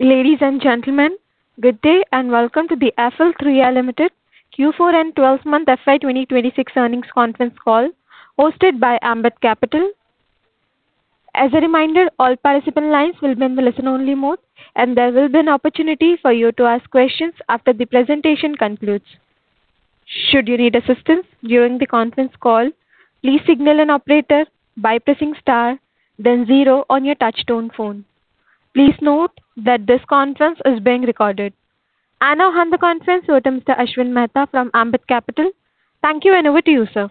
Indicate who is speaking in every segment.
Speaker 1: Ladies and gentlemen, good day and welcome to the Affle 3i Limited Q4 and 12-month FY 2026 earnings conference call hosted by Ambit Capital. As a reminder, all participant lines will be in the listen-only mode, and there will be an opportunity for you to ask questions after the presentation concludes. Should you need assistance during the confrence call, please signal the operator by presing star then zero on your touch tone phone. Please note that this conference is being recorded. I now hand the conference over to Mr. Ashwin Mehta from Ambit Capital. Thank you and over to you, sir.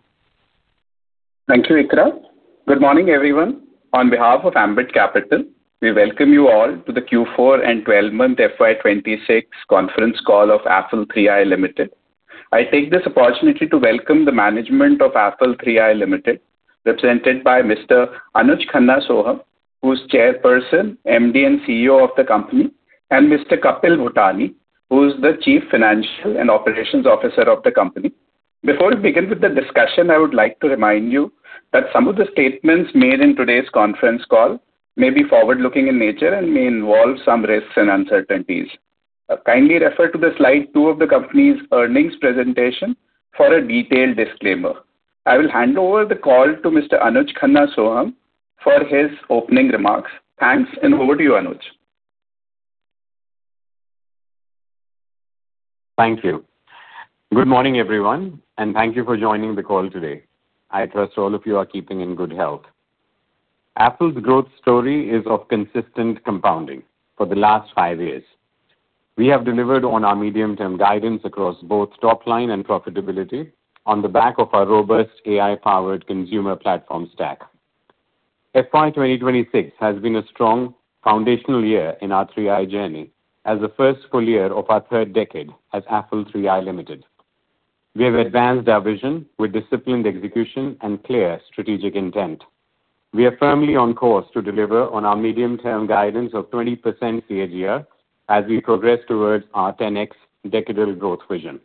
Speaker 2: Thank you, Ikra. Good morning, everyone. On behalf of Ambit Capital, we welcome you all to the Q4 and 12-month FY 2026 conference call of Affle 3i Limited. I take this opportunity to welcome the management of Affle 3i Limited, represented by Mr. Anuj Khanna Sohum, who's Chairman, MD, and CEO of the company, and Mr. Kapil Bhutani, who's the Chief Financial and Operations Officer of the company. Before we begin with the discussion, I would like to remind you that some of the statements made in today's conference call may be forward-looking in nature and may involve some risks and uncertainties. Kindly refer to the Slide 2 of the company's earnings presentation for a detailed disclaimer. I will hand over the call to Mr. Anuj Khanna Sohum for his opening remarks. Thanks and over to you, Anuj.
Speaker 3: Thank you. Good morning, everyone, and thank you for joining the call today. I trust all of you are keeping in good health. Affle's growth story is of consistent compounding for the last five years. We have delivered on our medium-term guidance across both top line and profitability on the back of our robust AI-powered Consumer Platform stack. FY 2026 has been a strong foundational year in our 3i journey as the first full year of our third decade as Affle 3i Limited. We have advanced our vision with disciplined execution and clear strategic intent. We are firmly on course to deliver on our medium-term guidance of 20% CAGR as we progress towards our 10X decadal growth vision.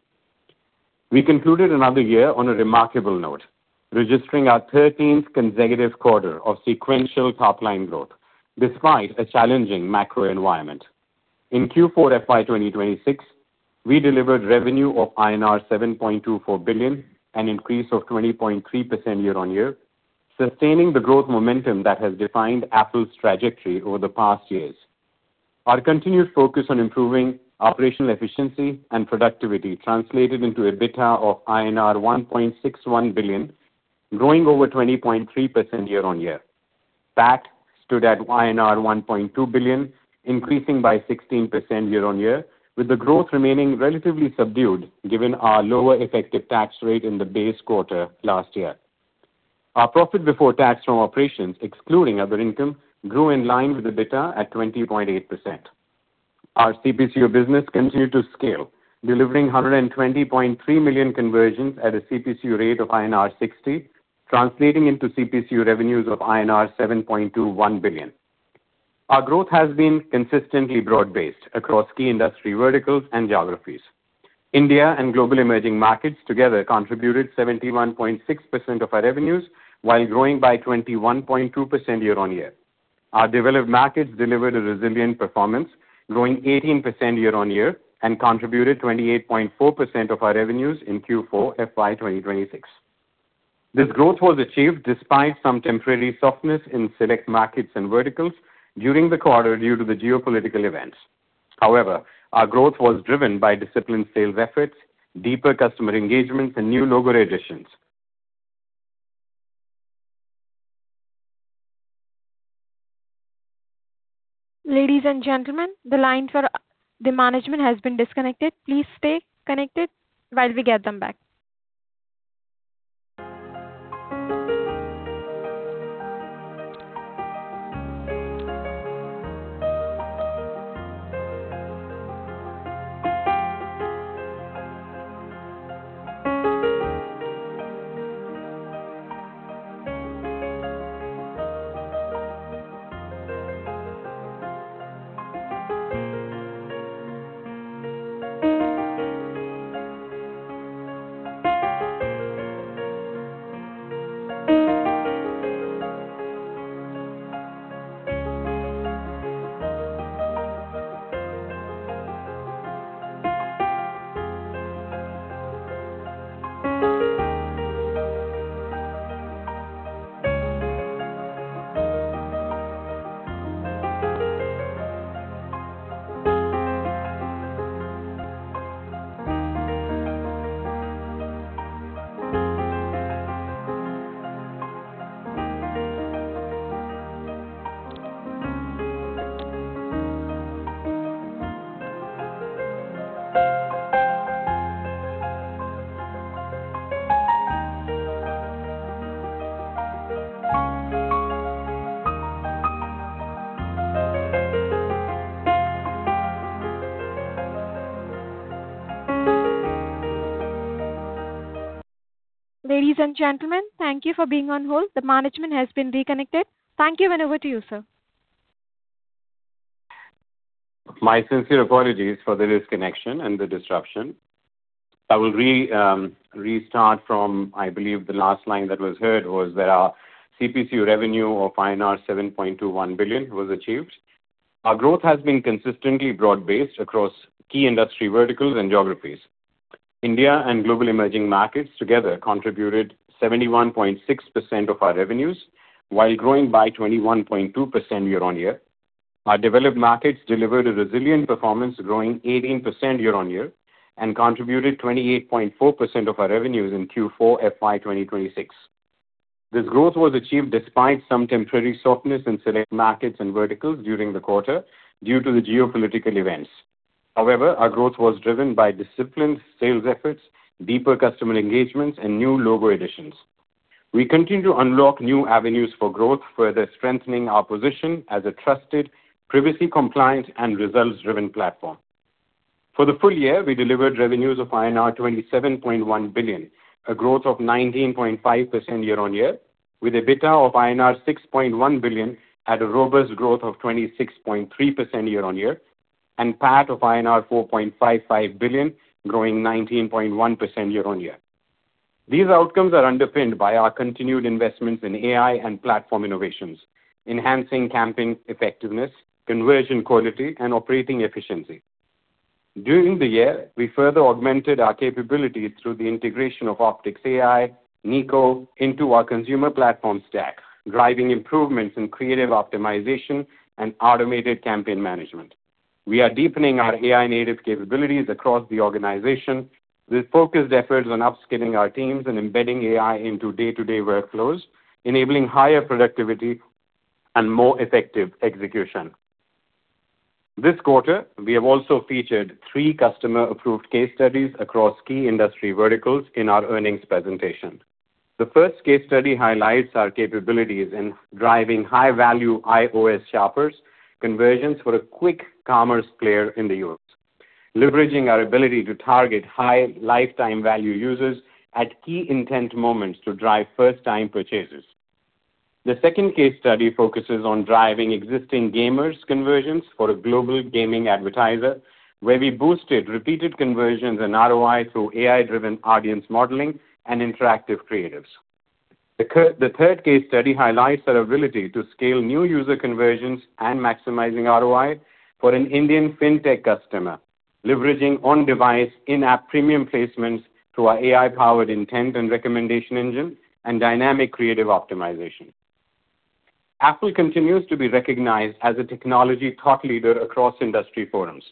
Speaker 3: We concluded another year on a remarkable note, registering our 13th consecutive quarter of sequential top-line growth despite a challenging macro environment. In Q4 FY 2026, we delivered revenue of INR 7.24 billion, an increase of 20.3% year-on-year, sustaining the growth momentum that has defined Affle's trajectory over the past years. Our continued focus on improving operational efficiency and productivity translated into an EBITDA of INR 1.61 billion, growing over 20.3% year-on-year. PAT stood at INR 1.2 billion, increasing by 16% year-on-year, with the growth remaining relatively subdued given our lower effective tax rate in the base quarter last year. Our profit before tax from operations, excluding other income, grew in line with the EBITDA at 20.8%. Our CPCU business continued to scale, delivering 120.3 million conversions at a CPCU rate of INR 60, translating into CPCU revenues of INR 7.21 billion. Our growth has been consistently broad-based across key industry verticals and geographies. India and global emerging markets together contributed 71.6% of our revenues while growing by 21.2% year-on-year. Our developed markets delivered a resilient performance, growing 18% year-on-year and contributed 28.4% of our revenues in Q4 FY 2026. This growth was achieved despite some temporary softness in select markets and verticals during the quarter due to the geopolitical events. Our growth was driven by disciplined sales efforts, deeper customer engagements, and new logo additions.
Speaker 1: Ladies and gentlemen, the line for the management has been disconnected. Please stay connected while we get them back. Ladies and gentlemen, thank you for being on hold. The management has been reconnected. Thank you and over to you, sir.
Speaker 3: My sincere apologies for the disconnection and the disruption. I will restart from, I believe the last line that was heard was that our CPC revenue of INR 7.21 billion was achieved. Our growth has been consistently broad-based across key industry verticals and geographies. India and global emerging markets together contributed 71.6% of our revenues while growing by 21.2% year-on-year. Our developed markets delivered a resilient performance, growing 18% year-on-year, and contributed 28.4% of our revenues in Q4 FY 2026. This growth was achieved despite some temporary softness in select markets and verticals during the quarter due to the geopolitical events. Our growth was driven by disciplined sales efforts, deeper customer engagements, and new logo additions. We continue to unlock new avenues for growth, further strengthening our position as a trusted, privacy-compliant and results-driven platform. For the full year, we delivered revenues of INR 27.1 billion, a growth of 19.5% year-on-year, with a EBITDA of INR 6.1 billion at a robust growth of 26.3% year-on-year, and PAT of INR 4.55 billion growing 19.1% year-on-year. These outcomes are underpinned by our continued investments in AI and platform innovations, enhancing campaign effectiveness, conversion quality, and operating efficiency. During the year, we further augmented our capabilities through the integration of OpticksAI, Niko into our Consumer Platform stack, driving improvements in creative optimization and automated campaign management. We are deepening our AI-native capabilities across the organization with focused efforts on upskilling our teams and embedding AI into day-to-day workflows, enabling higher productivity and more effective execution. This quarter, we have also featured three customer-approved case studies across key industry verticals in our earnings presentation. The first case study highlights our capabilities in driving high-value iOS shoppers conversions for a quick commerce player in the U.S., leveraging our ability to target high lifetime value users at key intent moments to drive first-time purchases. The second case study focuses on driving existing gamers conversions for a global gaming advertiser, where we boosted repeated conversions and ROI through AI-driven audience modeling and interactive creatives. The third case study highlights our ability to scale new user conversions and maximizing ROI for an Indian fintech customer, leveraging on-device in-app premium placements through our AI-powered intent and recommendation engine and dynamic creative optimization. Affle continues to be recognized as a technology thought leader across industry forums.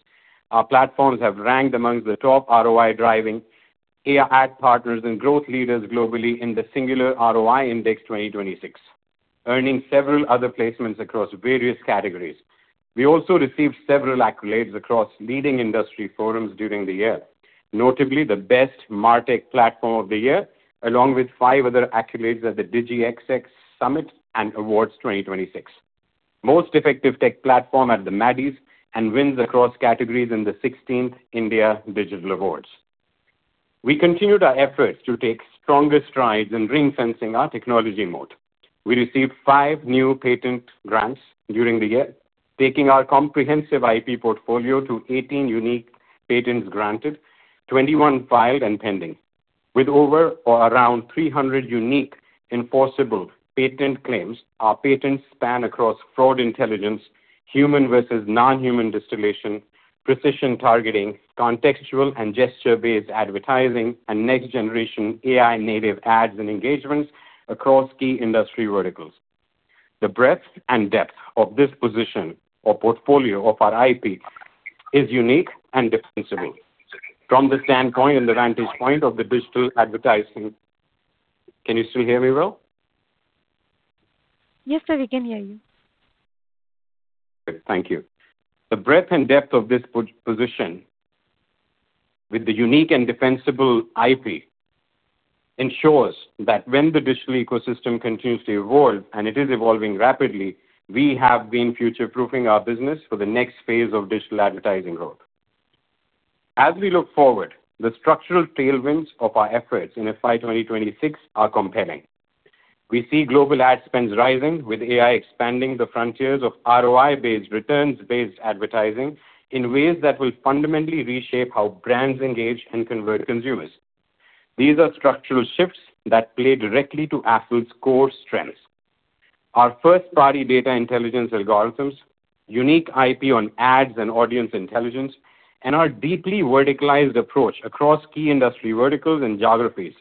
Speaker 3: Our platforms have ranked amongst the top ROI-driving AI ad partners and growth leaders globally in the Singular ROI Index 2026, earning several other placements across various categories. We also received several accolades across leading industry forums during the year, notably the Best MarTech Platform of the Year, along with five other accolades at the DIGIXX Summit and Awards 2026, Most Effective Tech Platform at the Maddies, and wins across categories in the 16th India Digital Awards. We continued our efforts to take stronger strides in ring-fencing our technology moat. We received five new patent grants during the year, taking our comprehensive IP portfolio to 18 unique patents granted, 21 filed and pending. With over or around 300 unique enforceable patent claims, our patents span across fraud intelligence, human versus non-human distillation, precision targeting, contextual and gesture-based advertising, and next generation AI-native ads and engagements across key industry verticals. The breadth and depth of this portfolio of our IP is unique and defensible. From the standpoint and the vantage point of the digital advertising. Can you still hear me well?
Speaker 1: Yes, sir. We can hear you.
Speaker 3: Thank you. The breadth and depth of this position with the unique and defensible IP ensures that when the digital ecosystem continues to evolve, and it is evolving rapidly, we have been future-proofing our business for the next phase of digital advertising road. As we look forward, the structural tailwinds of our efforts in FY 2026 are compelling. We see global ad spends rising with AI expanding the frontiers of ROI-based, returns-based advertising in ways that will fundamentally reshape how brands engage and convert consumers. These are structural shifts that play directly to Affle's core strengths. Our first-party data intelligence algorithms, unique IP on ads and audience intelligence, and our deeply verticalized approach across key industry verticals and geographies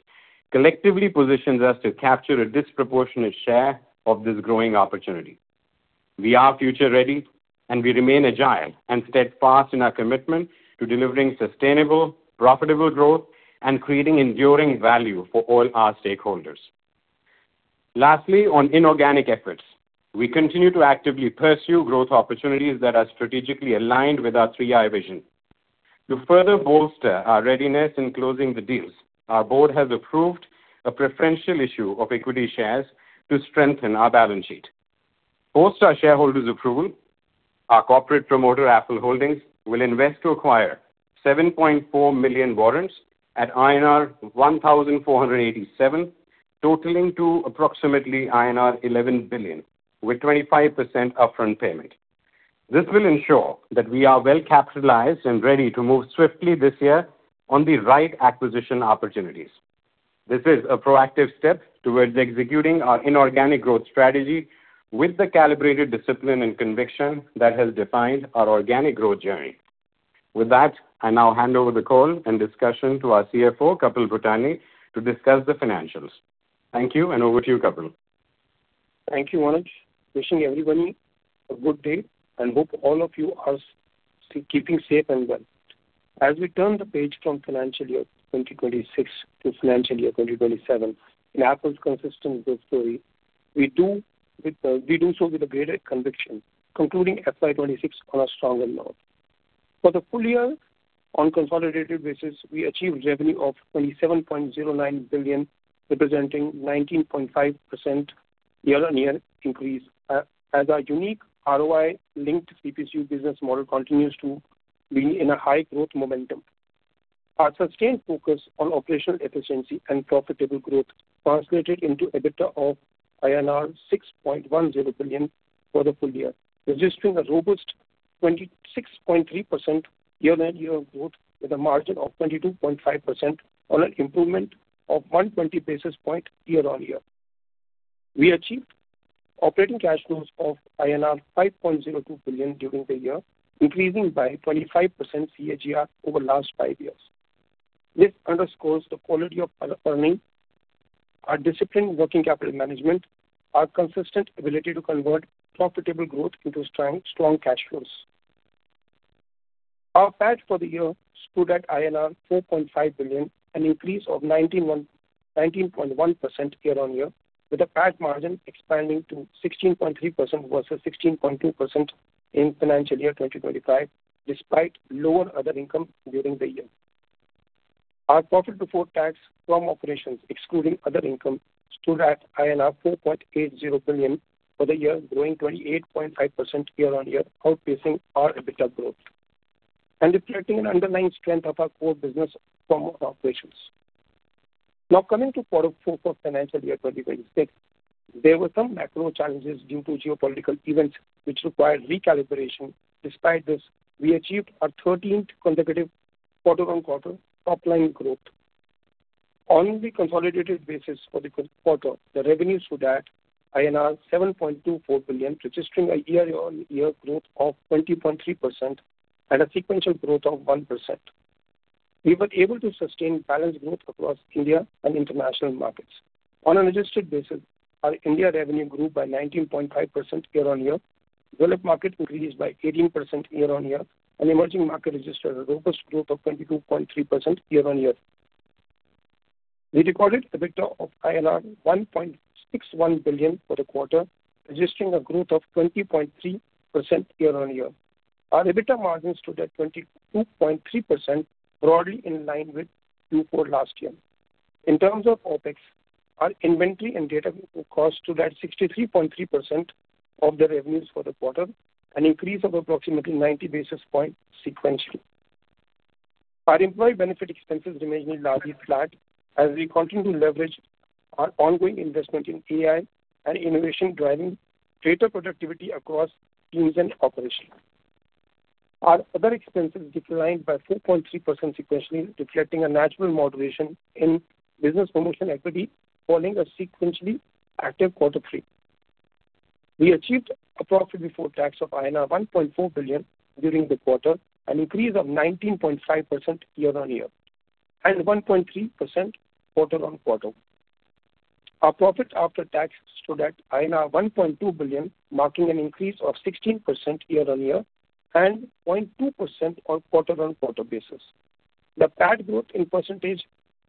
Speaker 3: collectively positions us to capture a disproportionate share of this growing opportunity. We are future-ready, and we remain agile and steadfast in our commitment to delivering sustainable, profitable growth and creating enduring value for all our stakeholders. Lastly, on inorganic efforts, we continue to actively pursue growth opportunities that are strategically aligned with our 3i vision. To further bolster our readiness in closing the deals, our board has approved a preferential issue of equity shares to strengthen our balance sheet. Post our shareholders' approval, our corporate promoter, Affle Holdings, will invest to acquire 7.4 million warrants at INR 1,487, totaling to approximately INR 11 billion with 25% upfront payment. This will ensure that we are well-capitalized and ready to move swiftly this year on the right acquisition opportunities. This is a proactive step towards executing our inorganic growth strategy with the calibrated discipline and conviction that has defined our organic growth journey. With that, I now hand over the call and discussion to our CFO, Kapil Bhutani, to discuss the financials. Thank you, and over to you, Kapil.
Speaker 4: Thank you, Anuj. Wishing everybody a good day and hope all of you are keeping safe and well. We turn the page from financial year 2026 to financial year 2027 in Affle's consistent growth story, we do so with a greater conviction, concluding FY 2026 on a stronger note. For the full year on consolidated basis, we achieved revenue of 27.09 billion, representing 19.5% year-on-year increase. Our unique ROI-linked CPCU business model continues to be in a high growth momentum. Our sustained focus on operational efficiency and profitable growth translated into EBITDA of INR 6.10 billion for the full year, registering a robust 26.3% year-on-year growth with a margin of 22.5% on an improvement of 120 basis points year-on-year. We achieved operating cash flows of INR 5.02 billion during the year, increasing by 25% CAGR over the last five years. This underscores the quality of earning, our disciplined working capital management, our consistent ability to convert profitable growth into strong cash flows. Our PAT for the year stood at INR 4.5 billion, an increase of 19.1% year-on-year, with a PAT margin expanding to 16.3% versus 16.2% in FY 2025, despite lower other income during the year. Our profit before tax from operations, excluding other income, stood at INR 4.80 billion for the year, growing 28.5% year-on-year, outpacing our EBITDA growth and reflecting an underlying strength of our core business from our operations. Now coming to quarter four for FY 2026. There were some macro challenges due to geopolitical events which required recalibration. Despite this, we achieved our 13th consecutive quarter-on-quarter top-line growth. On the consolidated basis for the quarter, the revenue stood at INR 7.24 billion, registering a year-on-year growth of 20.3% and a sequential growth of 1%. We were able to sustain balanced growth across India and international markets. On an adjusted basis, our India revenue grew by 19.5% year-on-year. Developed market increased by 18% year-on-year, and emerging market registered a robust growth of 22.3% year-on-year. We recorded EBITDA of 1.61 billion for the quarter, registering a growth of 20.3% year-on-year. Our EBITDA margin stood at 22.3%, broadly in line with Q4 last year. In terms of OpEx, our inventory and data cost stood at 63.3% of the revenues for the quarter, an increase of approximately 90 basis points sequentially. Our employee benefit expenses remained largely flat as we continue to leverage our ongoing investment in AI and innovation, driving greater productivity across teams and operations. Our other expenses declined by 4.3% sequentially, reflecting a natural moderation in business promotion equity following a sequentially active quarter three. We achieved a profit before tax of INR 1.4 billion during the quarter, an increase of 19.5% year-on-year, and 1.3% quarter-on-quarter. Our profit after tax stood at INR 1.2 billion, marking an increase of 16% year-on-year and 0.2% on quarter-on-quarter basis. The PAT growth in percentage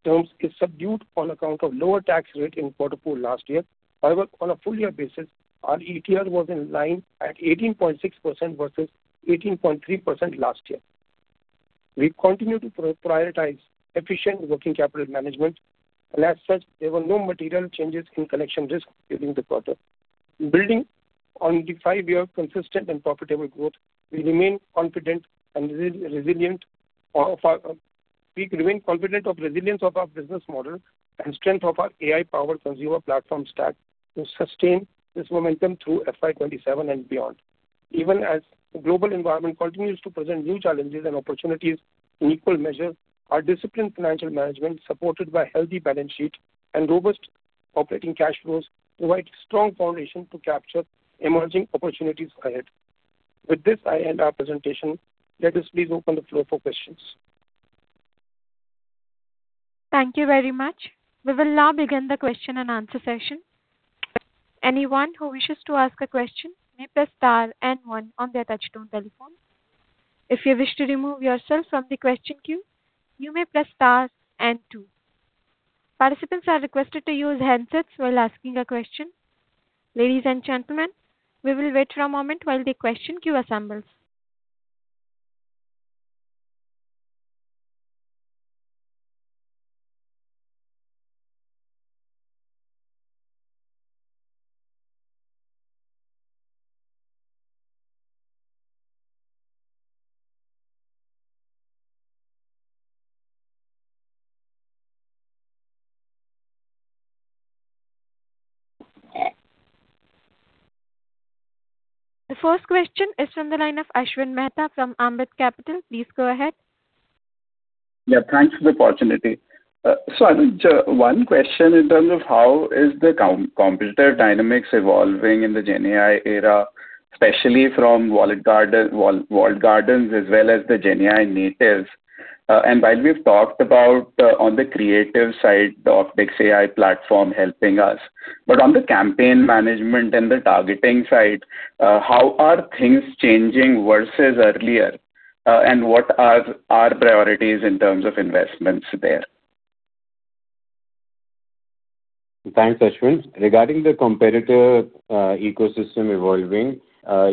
Speaker 4: terms is subdued on account of lower tax rate in Q4 last year. On a full year basis, our ETR was in line at 18.6% versus 18.3% last year. We continue to prioritize efficient working capital management, and as such, there were no material changes in collection risk during the quarter. Building on the five-year consistent and profitable growth, we remain confident of resilience of our business model and strength of our AI-powered Consumer Platform stack to sustain this momentum through FY 2027 and beyond. Even as the global environment continues to present new challenges and opportunities in equal measure, our disciplined financial management, supported by healthy balance sheet and robust operating cash flows, provide strong foundation to capture emerging opportunities ahead. With this, I end our presentation. Let us please open the floor for questions.
Speaker 1: Thank you very much. We will now begin the question and answer session. Anyone who wishes to ask a question may press star one on their touch-tone telephone. If you wish to remove yourself from the question queue, you may press star and two. Participants are requested to use handsets while asking a question. Ladies and gentlemen, we will wait for a moment while the question queue assembles. The first question is from the line of Ashwin Mehta from Ambit Capital. Please go ahead.
Speaker 2: Yeah, thanks for the opportunity. Anuj, one question in terms of how is the competitive dynamics evolving in the GenAI era, especially from walled garden, walled gardens as well as the GenAI natives. While we've talked about on the creative side, the OpticksAI platform helping us, but on the campaign management and the targeting side, how are things changing versus earlier? What are our priorities in terms of investments there?
Speaker 3: Thanks, Ashwin. Regarding the competitive ecosystem evolving,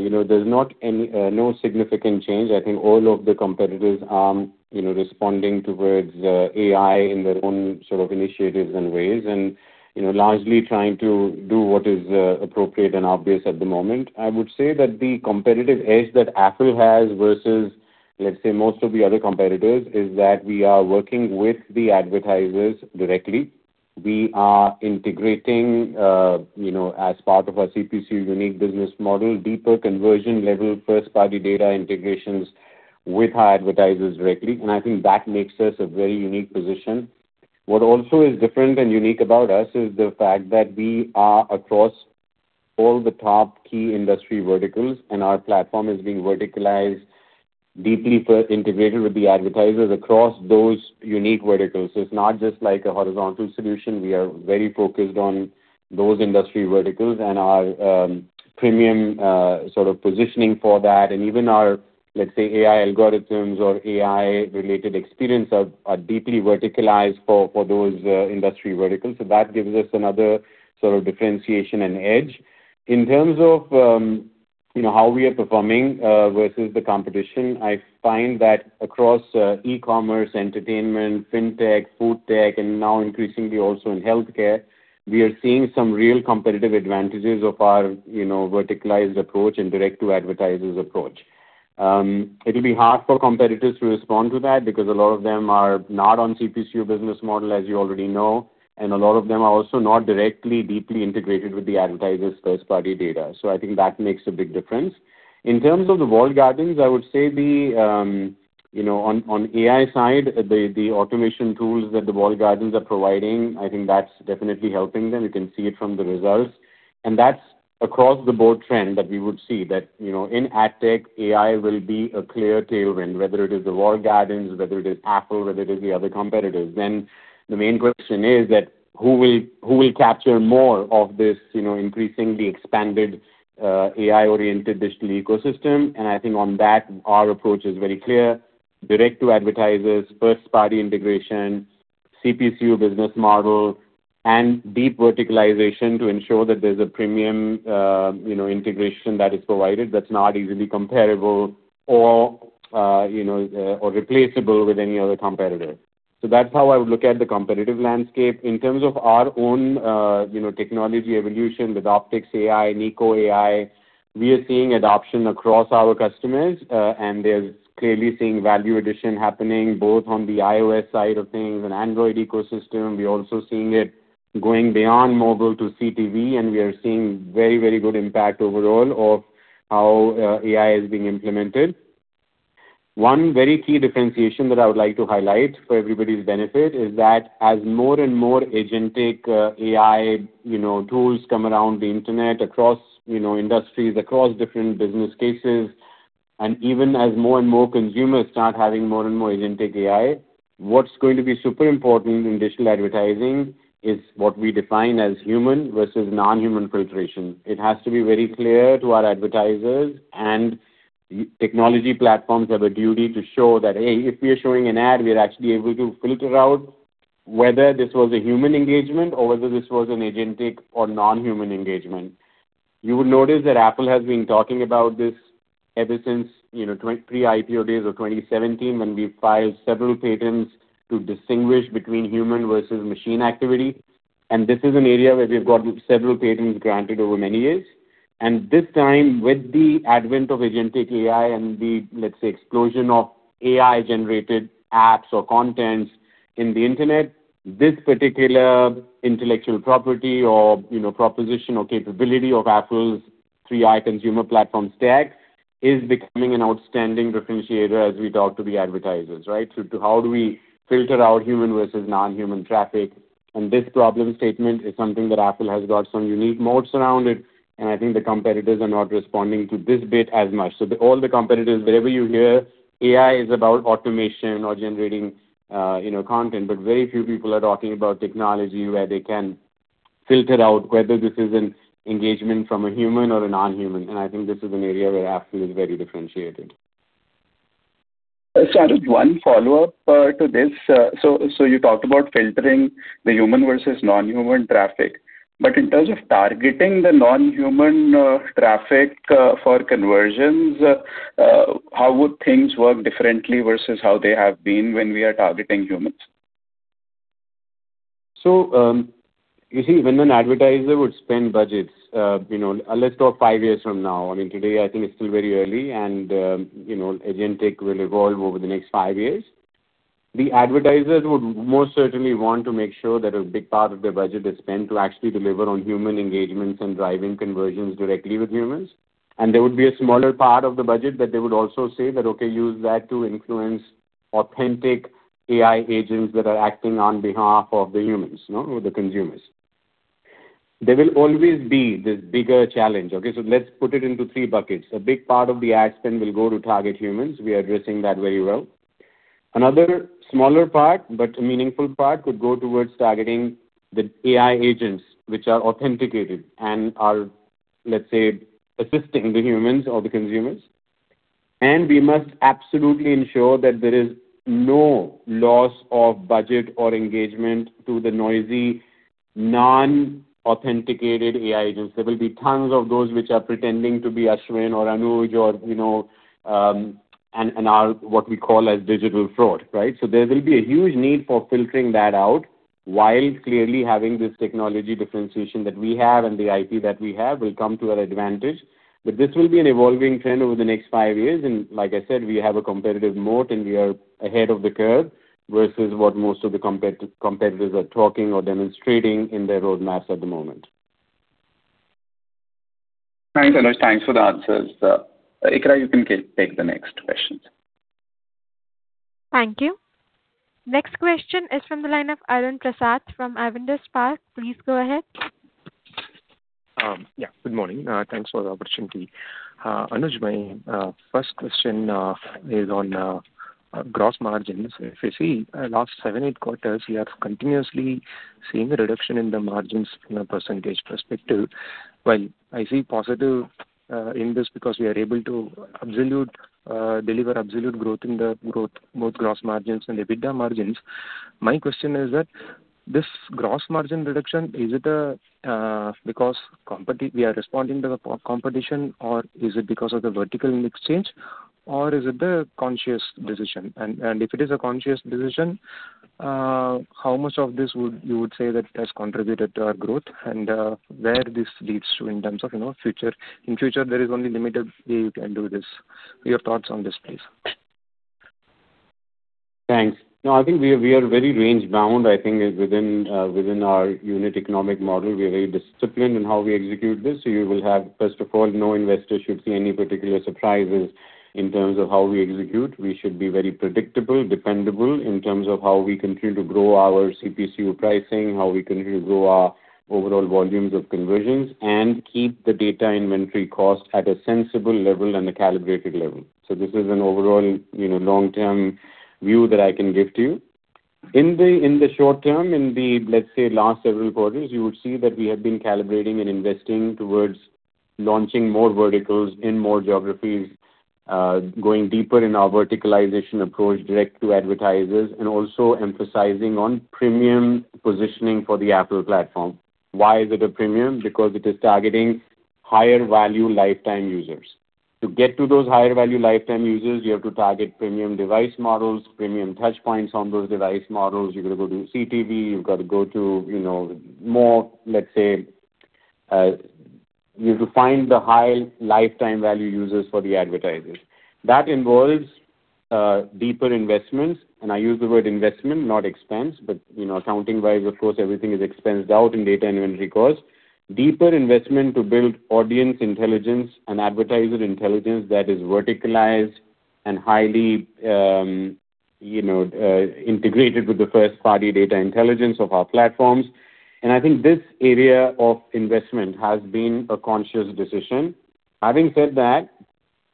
Speaker 3: you know, there's not any no significant change. I think all of the competitors are, you know, responding towards AI in their own sort of initiatives and ways and, you know, largely trying to do what is appropriate and obvious at the moment. I would say that the competitive edge that Affle has versus, let's say, most of the other competitors, is that we are working with the advertisers directly. We are integrating, you know, as part of our CPC unique business model, deeper conversion level first-party data integrations with our advertisers directly, and I think that makes us a very unique position. What also is different and unique about us is the fact that we are across all the top key industry verticals, and our platform is being verticalized deeply integrated with the advertisers across those unique verticals. It's not just like a horizontal solution. We are very focused on those industry verticals and our premium sort of positioning for that. Even our, let's say, AI algorithms or AI related experience are deeply verticalized for those industry verticals, so that gives us another sort of differentiation and edge. In terms of, you know, how we are performing versus the competition, I find that across e-commerce, entertainment, fintech, food tech, and now increasingly also in healthcare, we are seeing some real competitive advantages of our, you know, verticalized approach and direct-to-advertisers approach. It'll be hard for competitors to respond to that because a lot of them are not on CPCU business model, as you already know, and a lot of them are also not directly deeply integrated with the advertisers' first-party data. I think that makes a big difference. In terms of the walled gardens, I would say the, you know, on AI side, the automation tools that the walled gardens are providing, I think that's definitely helping them. You can see it from the results. That's across-the-board trend that we would see that, you know, in ad tech, AI will be a clear tailwind, whether it is the walled gardens, whether it is Affle, whether it is the other competitors. The main question is that who will capture more of this, you know, increasingly expanded, AI-oriented digital ecosystem? I think on that, our approach is very clear. Direct to advertisers, first-party integration, CPCU business model, and deep verticalization to ensure that there's a premium, you know, integration that is provided that's not easily comparable or, you know, or replaceable with any other competitor. That's how I would look at the competitive landscape. In terms of our own, you know, technology evolution with OpticksAI, Niko AI, we are seeing adoption across our customers, and they're clearly seeing value addition happening both on the iOS side of things and Android ecosystem. We're also seeing it going beyond mobile to CTV, and we are seeing very, very good impact overall of how AI is being implemented. One very key differentiation that I would like to highlight for everybody's benefit is that as more and more agentic AI, you know, tools come around the internet across, you know, industries, across different business cases, and even as more and more consumers start having more and more agentic AI, what's going to be super important in digital advertising is what we define as human versus non-human filtration. It has to be very clear to our advertisers and technology platforms have a duty to show that, hey, if we are showing an ad, we are actually able to filter out whether this was a human engagement or whether this was an agentic or non-human engagement. You will notice that Affle has been talking about this ever since, you know, pre-IPO days of 2017 when we filed several patents to distinguish between human versus machine activity. This is an area where we've got several patents granted over many years. This time, with the advent of agentic AI and the, let's say, explosion of AI-generated apps or contents in the internet, this particular intellectual property or, you know, proposition or capability of Affle's 3i Consumer Platform stack is becoming an outstanding differentiator as we talk to the advertisers, right? To how do we filter out human versus non-human traffic, and this problem statement is something that Affle has got some unique moats around it, and I think the competitors are not responding to this bit as much. All the competitors, wherever you hear AI is about automation or generating, you know, content, but very few people are talking about technology where they can filter out whether this is an engagement from a human or a non-human, and I think this is an area where Affle is very differentiated.
Speaker 2: Anuj, one follow-up to this. You talked about filtering the human versus non-human traffic, but in terms of targeting the non-human traffic for conversions, how would things work differently versus how they have been when we are targeting humans?
Speaker 3: You see, when an advertiser would spend budgets, you know, let's talk five years from now. I mean, today I think it's still very early and, you know, agentic will evolve over the next five years. The advertisers would most certainly want to make sure that a big part of their budget is spent to actually deliver on human engagements and driving conversions directly with humans. There would be a smaller part of the budget that they would also say that, "Okay, use that to influence authentic AI agents that are acting on behalf of the humans, you know, or the consumers." There will always be this bigger challenge. Let's put it into three buckets. A big part of the ad spend will go to target humans. We are addressing that very well. Another smaller part, but a meaningful part, could go towards targeting the AI agents which are authenticated and are, let's say, assisting the humans or the consumers. We must absolutely ensure that there is no loss of budget or engagement to the noisy, non-authenticated AI agents. There will be tons of those which are pretending to be Ashwin or Anuj or, you know, and are what we call as digital fraud, right? There will be a huge need for filtering that out whilst clearly having this technology differentiation that we have and the IP that we have will come to our advantage. This will be an evolving trend over the next five years, and like I said, we have a competitive moat, and we are ahead of the curve versus what most of the competitors are talking or demonstrating in their roadmaps at the moment.
Speaker 2: Thanks, Anuj. Thanks for the answers. Ikra, you can take the next questions.
Speaker 1: Thank you. Next question is from the line of Arun Prasad from Avendus Spark. Please go ahead.
Speaker 5: Yeah, good morning. Thanks for the opportunity. Anuj, my first question is on gross margins. If you see, last seven, eight quarters, we are continuously seeing a reduction in the margins from a percentage perspective. While I see positive in this because we are able to deliver absolute growth in the growth, both gross margins and EBITDA margins, my question is that this gross margin reduction, is it because we are responding to the competition or is it because of the vertical mix change or is it a conscious decision? If it is a conscious decision, how much of this would you would say that has contributed to our growth and where this leads to in terms of, you know, future? In future, there is only limited way you can do this. Your thoughts on this, please.
Speaker 3: Thanks. I think we are very range bound. I think within our unit economic model, we are very disciplined in how we execute this. First of all, no investor should see any particular surprises in terms of how we execute. We should be very predictable, dependable in terms of how we continue to grow our CPCU pricing, how we continue to grow our overall volumes of conversions and keep the data inventory cost at a sensible level and a calibrated level. This is an overall, you know, long-term view that I can give to you. In the short term, in the last several quarters, you would see that we have been calibrating and investing towards launching more verticals in more geographies, going deeper in our verticalization approach direct to advertisers, and also emphasizing on premium positioning for the Affle platform. Why is it a premium? Because it is targeting higher value lifetime users. To get to those higher value lifetime users, you have to target premium device models, premium touchpoints on those device models. You've got to go do CTV. You've got to go to, you know, more, you've to find the high lifetime value users for the advertisers. That involves deeper investments, and I use the word investment, not expense, but, you know, accounting wise, of course, everything is expensed out in data inventory costs. Deeper investment to build audience intelligence and advertiser intelligence that is verticalized and highly integrated with the first-party data intelligence of our platforms. I think this area of investment has been a conscious decision. Having said that,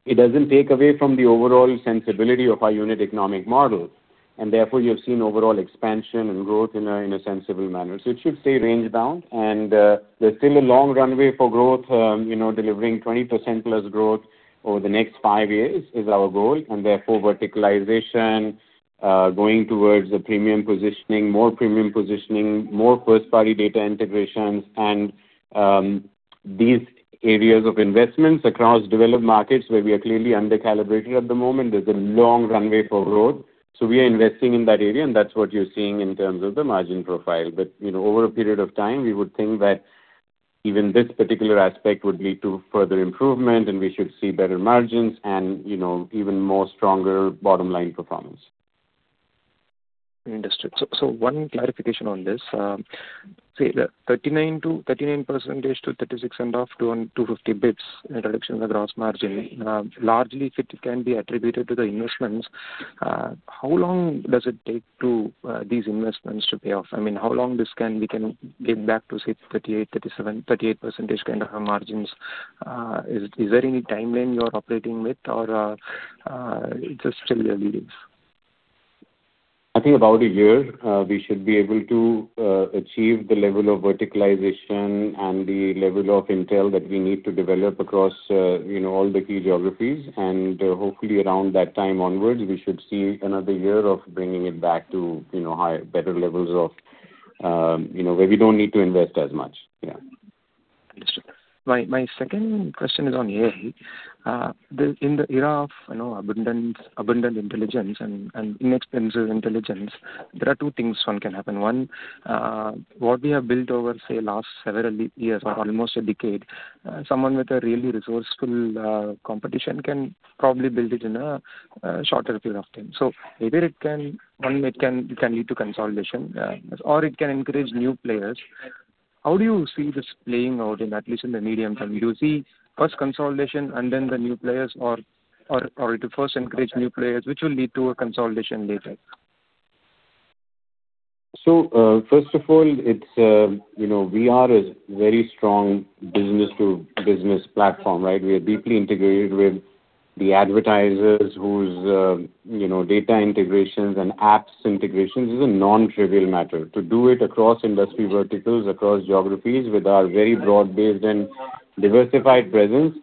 Speaker 3: it doesn't take away from the overall sensibility of our unit economic model, and therefore you have seen overall expansion and growth in a sensible manner. It should stay range bound. There's still a long runway for growth. Delivering 20%+ growth over the next five years is our goal, and therefore verticalization, going towards the premium positioning, more premium positioning, more first-party data integrations and these areas of investments across developed markets where we are clearly under-calibrated at the moment. There's a long runway for growth. We are investing in that area, and that's what you're seeing in terms of the margin profile. You know, over a period of time, we would think that even this particular aspect would lead to further improvement and we should see better margins and, you know, even more stronger bottom line performance.
Speaker 5: Understood. One clarification on this. Say the 39% to 36.5% to 250 basis points reduction in the gross margin, largely if it can be attributed to the investments, how long does it take to these investments to pay off? I mean, how long we can get back to, say, 38%, 37%, 38% kind of margins? Is there any timeline you are operating with or it's just still early days?
Speaker 3: I think about a year, we should be able to achieve the level of verticalization and the level of intel that we need to develop across, you know, all the key geographies. Hopefully around that time onwards, we should see another year of bringing it back to, you know, better levels of, you know, where we don't need to invest as much. Yeah.
Speaker 5: Understood. My second question is on AI. In the era of, you know, abundant intelligence and inexpensive intelligence, there are thing things that can happen. One, what we have built over, say, last several years or almost a decade, someone with a really resourceful competition can probably build it in a shorter period of time. Either it can lead to consolidation, or it can encourage new players. How do you see this playing out in at least in the medium term? Do you see first consolidation and then the new players or to first encourage new players, which will lead to a consolidation later?
Speaker 3: First of all, it's, you know, we are a very strong business-to-business platform, right? We are deeply integrated with the advertisers whose, you know, data integrations and apps integrations. This is a non-trivial matter. To do it across industry verticals, across geographies with our very broad-based and diversified presence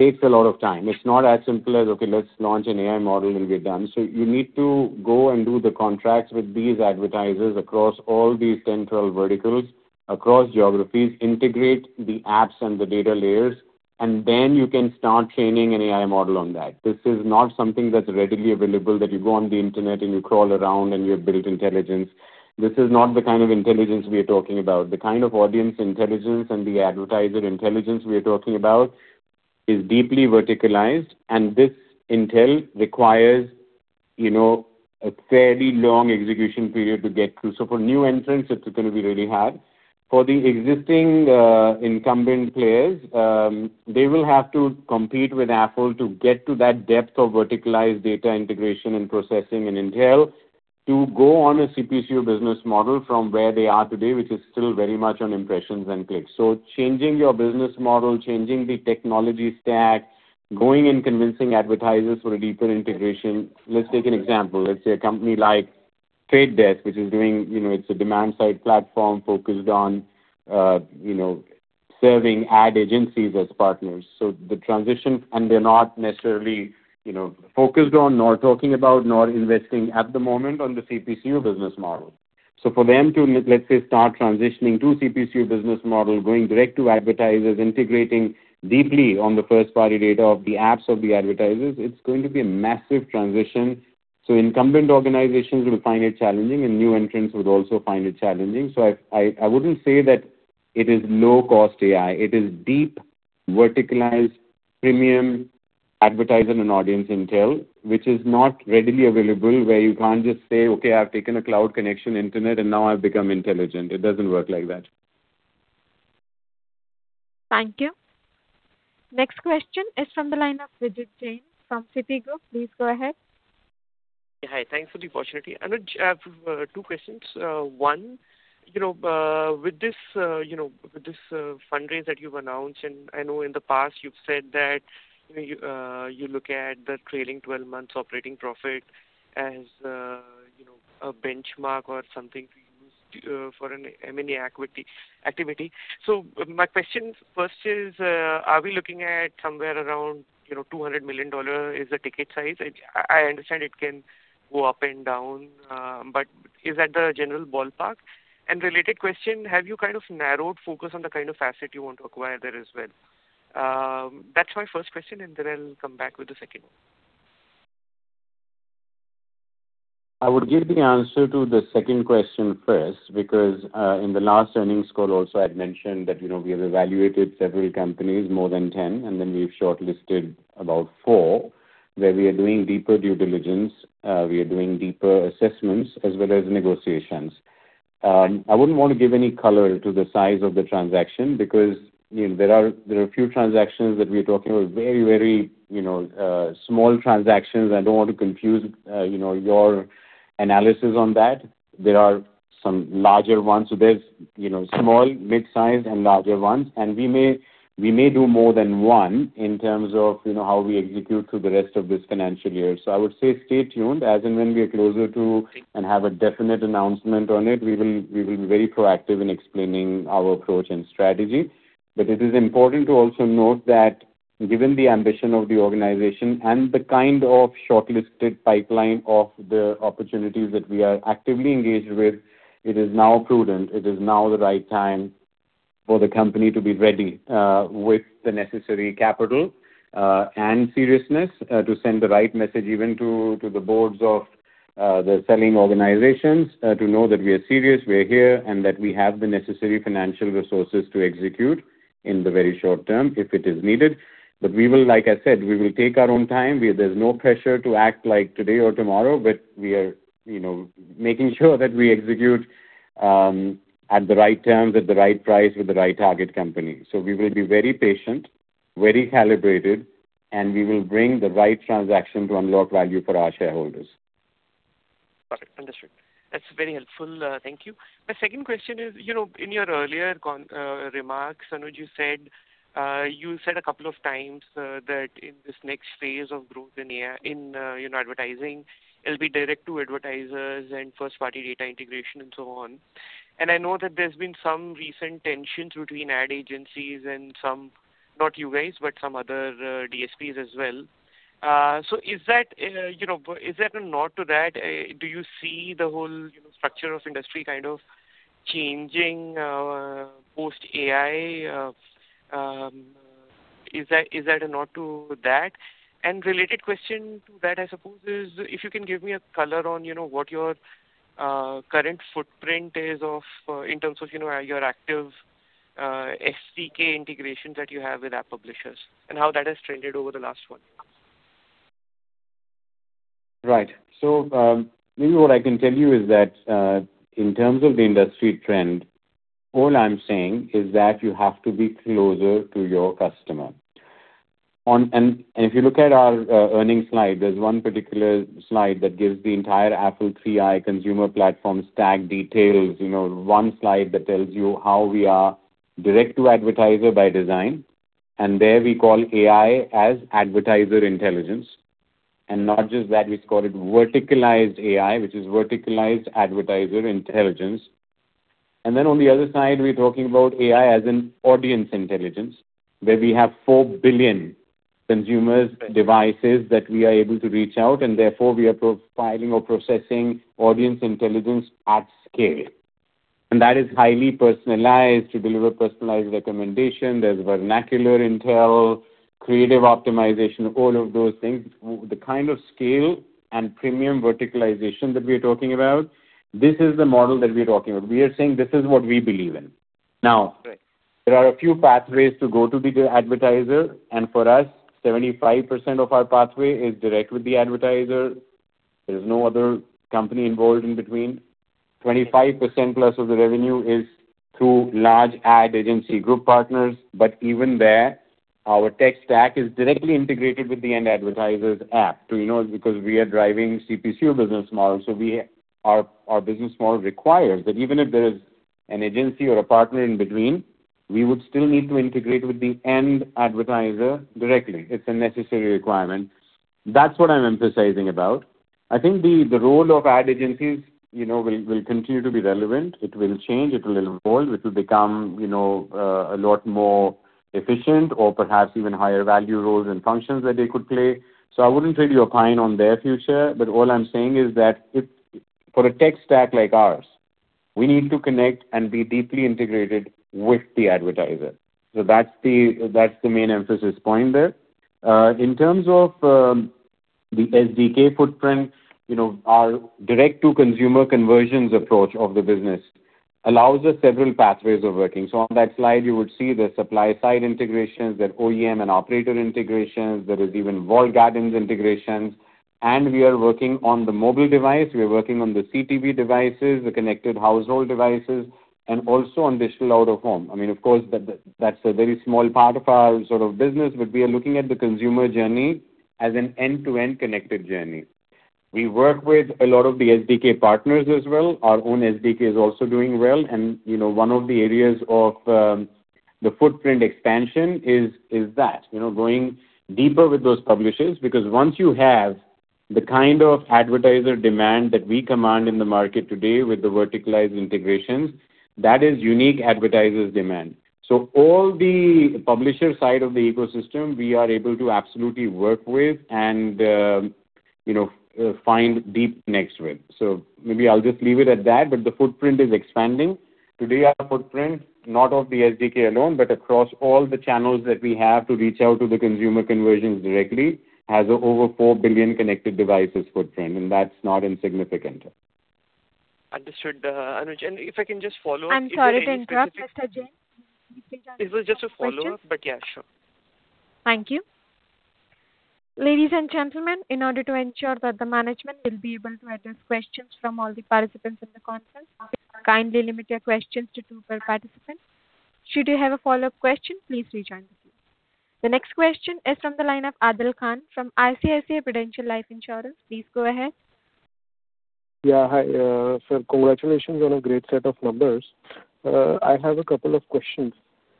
Speaker 3: takes a lot of time. It's not as simple as, okay, let's launch an AI model and we're done. You need to go and do the contracts with these advertisers across all these 10, 12 verticals, across geographies, integrate the apps and the data layers, and then you can start training an AI model on that. This is not something that's readily available, that you go on the internet and you crawl around and you build intelligence. This is not the kind of intelligence we are talking about. The kind of audience intelligence and the advertiser intelligence we are talking about is deeply verticalized, and this intel requires, you know, a fairly long execution period to get through. For new entrants, it's gonna be really hard. For the existing incumbent players, they will have to compete with Affle to get to that depth of verticalized data integration and processing and intel to go on a CPCU business model from where they are today, which is still very much on impressions and clicks. Changing your business model, changing the technology stack, going and convincing advertisers for a deeper integration. Let's take an example. Let's say a company like The Trade Desk, which is doing, you know, it's a demand-side platform focused on, you know, serving ad agencies as partners. The transition. They're not necessarily, you know, focused on, nor talking about, nor investing at the moment on the CPCU business model. For them to, let's say, start transitioning to CPCU business model, going direct to advertisers, integrating deeply on the first-party data of the apps of the advertisers, it's going to be a massive transition. Incumbent organizations will find it challenging, and new entrants would also find it challenging. I wouldn't say that it is low-cost AI. It is deep, verticalized, premium advertiser and audience intel, which is not readily available, where you can't just say, "Okay, I've taken a cloud connection internet, and now I've become intelligent." It doesn't work like that.
Speaker 1: Thank you. Next question is from the line of Vijit Jain from Citigroup. Please go ahead.
Speaker 6: Yeah. Hi. Thanks for the opportunity. Anuj, I have two questions. One, you know, with this, you know, with this fundraise that you've announced, I know in the past you've said that, you know, you look at the trailing 12 months operating profit as, you know, a benchmark or something to use for an M&A equity activity. My questions first is, are we looking at somewhere around, you know, INR 200 million is the ticket size? I understand it can go up and down, but is that the general ballpark? Related question, have you kind of narrowed focus on the kind of asset you want to acquire there as well? That's my first question, and then I'll come back with the second one.
Speaker 3: I would give the answer to the second question first because, in the last earnings call also I'd mentioned that, you know, we have evaluated several companies, more than 10, and then we've shortlisted about four, where we are doing deeper due diligence, we are doing deeper assessments as well as negotiations. I wouldn't want to give any color to the size of the transaction because, you know, there are a few transactions that we're talking about very, very, small transactions. I don't want to confuse, your analysis on that. There are some larger ones. There's, you know, small, mid-sized and larger ones. We may do more than one in terms of, you know, how we execute through the rest of this financial year. I would say stay tuned as and when we are closer to and have a definite announcement on it. We will be very proactive in explaining our approach and strategy. It is important to also note that given the ambition of the organization and the kind of shortlisted pipeline of the opportunities that we are actively engaged with, it is now prudent, it is now the right time for the company to be ready with the necessary capital and seriousness to send the right message even to the boards of the selling organizations to know that we are serious, we are here, and that we have the necessary financial resources to execute in the very short term if it is needed. We will, like I said, we will take our own time. There's no pressure to act like today or tomorrow, but we are, you know, making sure that we execute at the right terms, at the right price with the right target company. We will be very patient, very calibrated, and we will bring the right transaction to unlock value for our shareholders.
Speaker 6: Got it. Understood. That's very helpful. Thank you. My second question is, you know, in your earlier remarks, Anuj, you said a couple of times that in this next phase of growth in, you know, advertising, it'll be direct to advertisers and first-party data integration and so on. I know that there's been some recent tensions between ad agencies and some, not you guys, but some other DSPs as well. Is that, you know, is that a nod to that? Do you see the whole, you know, structure of industry kind of changing, post-AI? Is that a nod to that? Related question to that, I suppose, is if you can give me a color on, you know, what your current footprint is of, in terms of, you know, your active SDK integrations that you have with app publishers and how that has trended over the last one year.
Speaker 3: Right. Maybe what I can tell you is that, in terms of the industry trend, all I am saying is that you have to be closer to your customer. If you look at our earnings slide, there is one particular slide that gives the entire Affle 3i Consumer Platform stack details. You know, one slide that tells you how we are direct to advertiser by design, and there we call AI as advertiser intelligence, and not just that, we call it verticalized AI, which is verticalized advertiser intelligence. Then on the other side, we are talking about AI as in audience intelligence, where we have four billion consumers devices that we are able to reach out, and therefore we are profiling or processing audience intelligence at scale. That is highly personalized to deliver personalized recommendation. There is vernacular intel, creative optimization, all of those things. With the kind of scale and premium verticalization that we're talking about, this is the model that we're talking about. We are saying this is what we believe in. There are a few pathways to go to the advertiser, and for us, 75% of our pathway is direct with the advertiser. There is no other company involved in between. 25%+ of the revenue is through large ad agency group partners, but even there, our tech stack is directly integrated with the end advertiser's app. You know, because we are driving CPC business model, our business model requires that even if there is an agency or a partner in between, we would still need to integrate with the end advertiser directly. It's a necessary requirement. That's what I'm emphasizing about. I think the role of ad agencies, you know, will continue to be relevant. It will change, it will evolve, it will become, you know, a lot more efficient or perhaps even higher value roles and functions that they could play. I wouldn't really opine on their future, but all I'm saying is that it For a tech stack like ours, we need to connect and be deeply integrated with the advertiser. That's the, that's the main emphasis point there. In terms of the SDK footprint, you know, our direct-to-consumer conversions approach of the business allows us several pathways of working. On that slide, you would see the supply side integrations, the OEM and operator integrations. There is even walled gardens integrations, and we are working on the mobile device. We are working on the CTV devices, the connected household devices, and also on digital out of home. I mean, of course, that's a very small part of our sort of business, but we are looking at the consumer journey as an end-to-end connected journey. We work with a lot of the SDK partners as well. Our own SDK is also doing well and, you know, one of the areas of the footprint expansion is that. You know, going deeper with those publishers. Once you have the kind of advertiser demand that we command in the market today with the verticalized integrations, that is unique advertiser's demand. All the publisher side of the ecosystem, we are able to absolutely work with and, you know, find deep connects rate. Maybe I'll just leave it at that, but the footprint is expanding. Today, our footprint, not of the SDK alone, but across all the channels that we have to reach out to the consumer conversions directly, has over 4 billion connected devices footprint, and that's not insignificant.
Speaker 6: Understood, Anuj. If I can just follow up.
Speaker 1: I'm sorry to interrupt, Mr. Jain.
Speaker 6: It was just a follow-up, but yeah, sure.
Speaker 1: Thank you. Ladies and gentlemen, in order to ensure that the management will be able to address questions from all the participants in the conference call, kindly limit your questions to two per participant. Should you have a follow-up question, please rejoin the queue. The next question is from the line of Aadil Khan from ICICI Prudential Life Insurance. Please go ahead.
Speaker 7: Yeah. Hi, sir, congratulations on a great set of numbers. I have a couple of questions.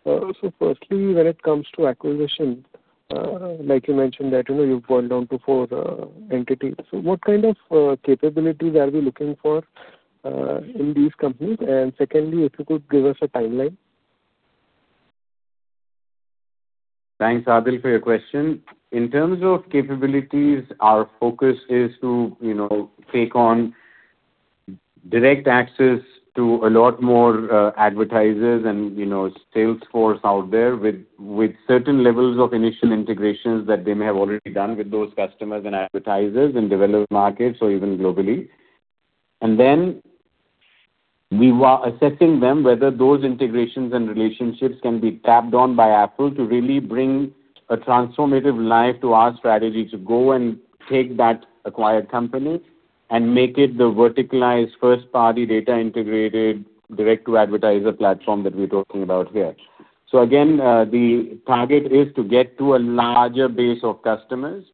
Speaker 7: Firstly, when it comes to acquisition, like you mentioned that, you know, you've boiled down to four entities. What kind of capabilities are we looking for in these companies? Secondly, if you could give us a timeline.
Speaker 3: Thanks, Aadil, for your question. In terms of capabilities, our focus is to, you know, take on direct access to a lot more advertisers and, you know, sales force out there with certain levels of initial integrations that they may have already done with those customers and advertisers in developed markets or even globally. Then we are assessing them whether those integrations and relationships can be tapped on by Affle to really bring a transformative life to our strategy to go and take that acquired company and make it the verticalized first-party data integrated direct-to-advertiser platform that we're talking about here. Again, the target is to get to a larger base of customers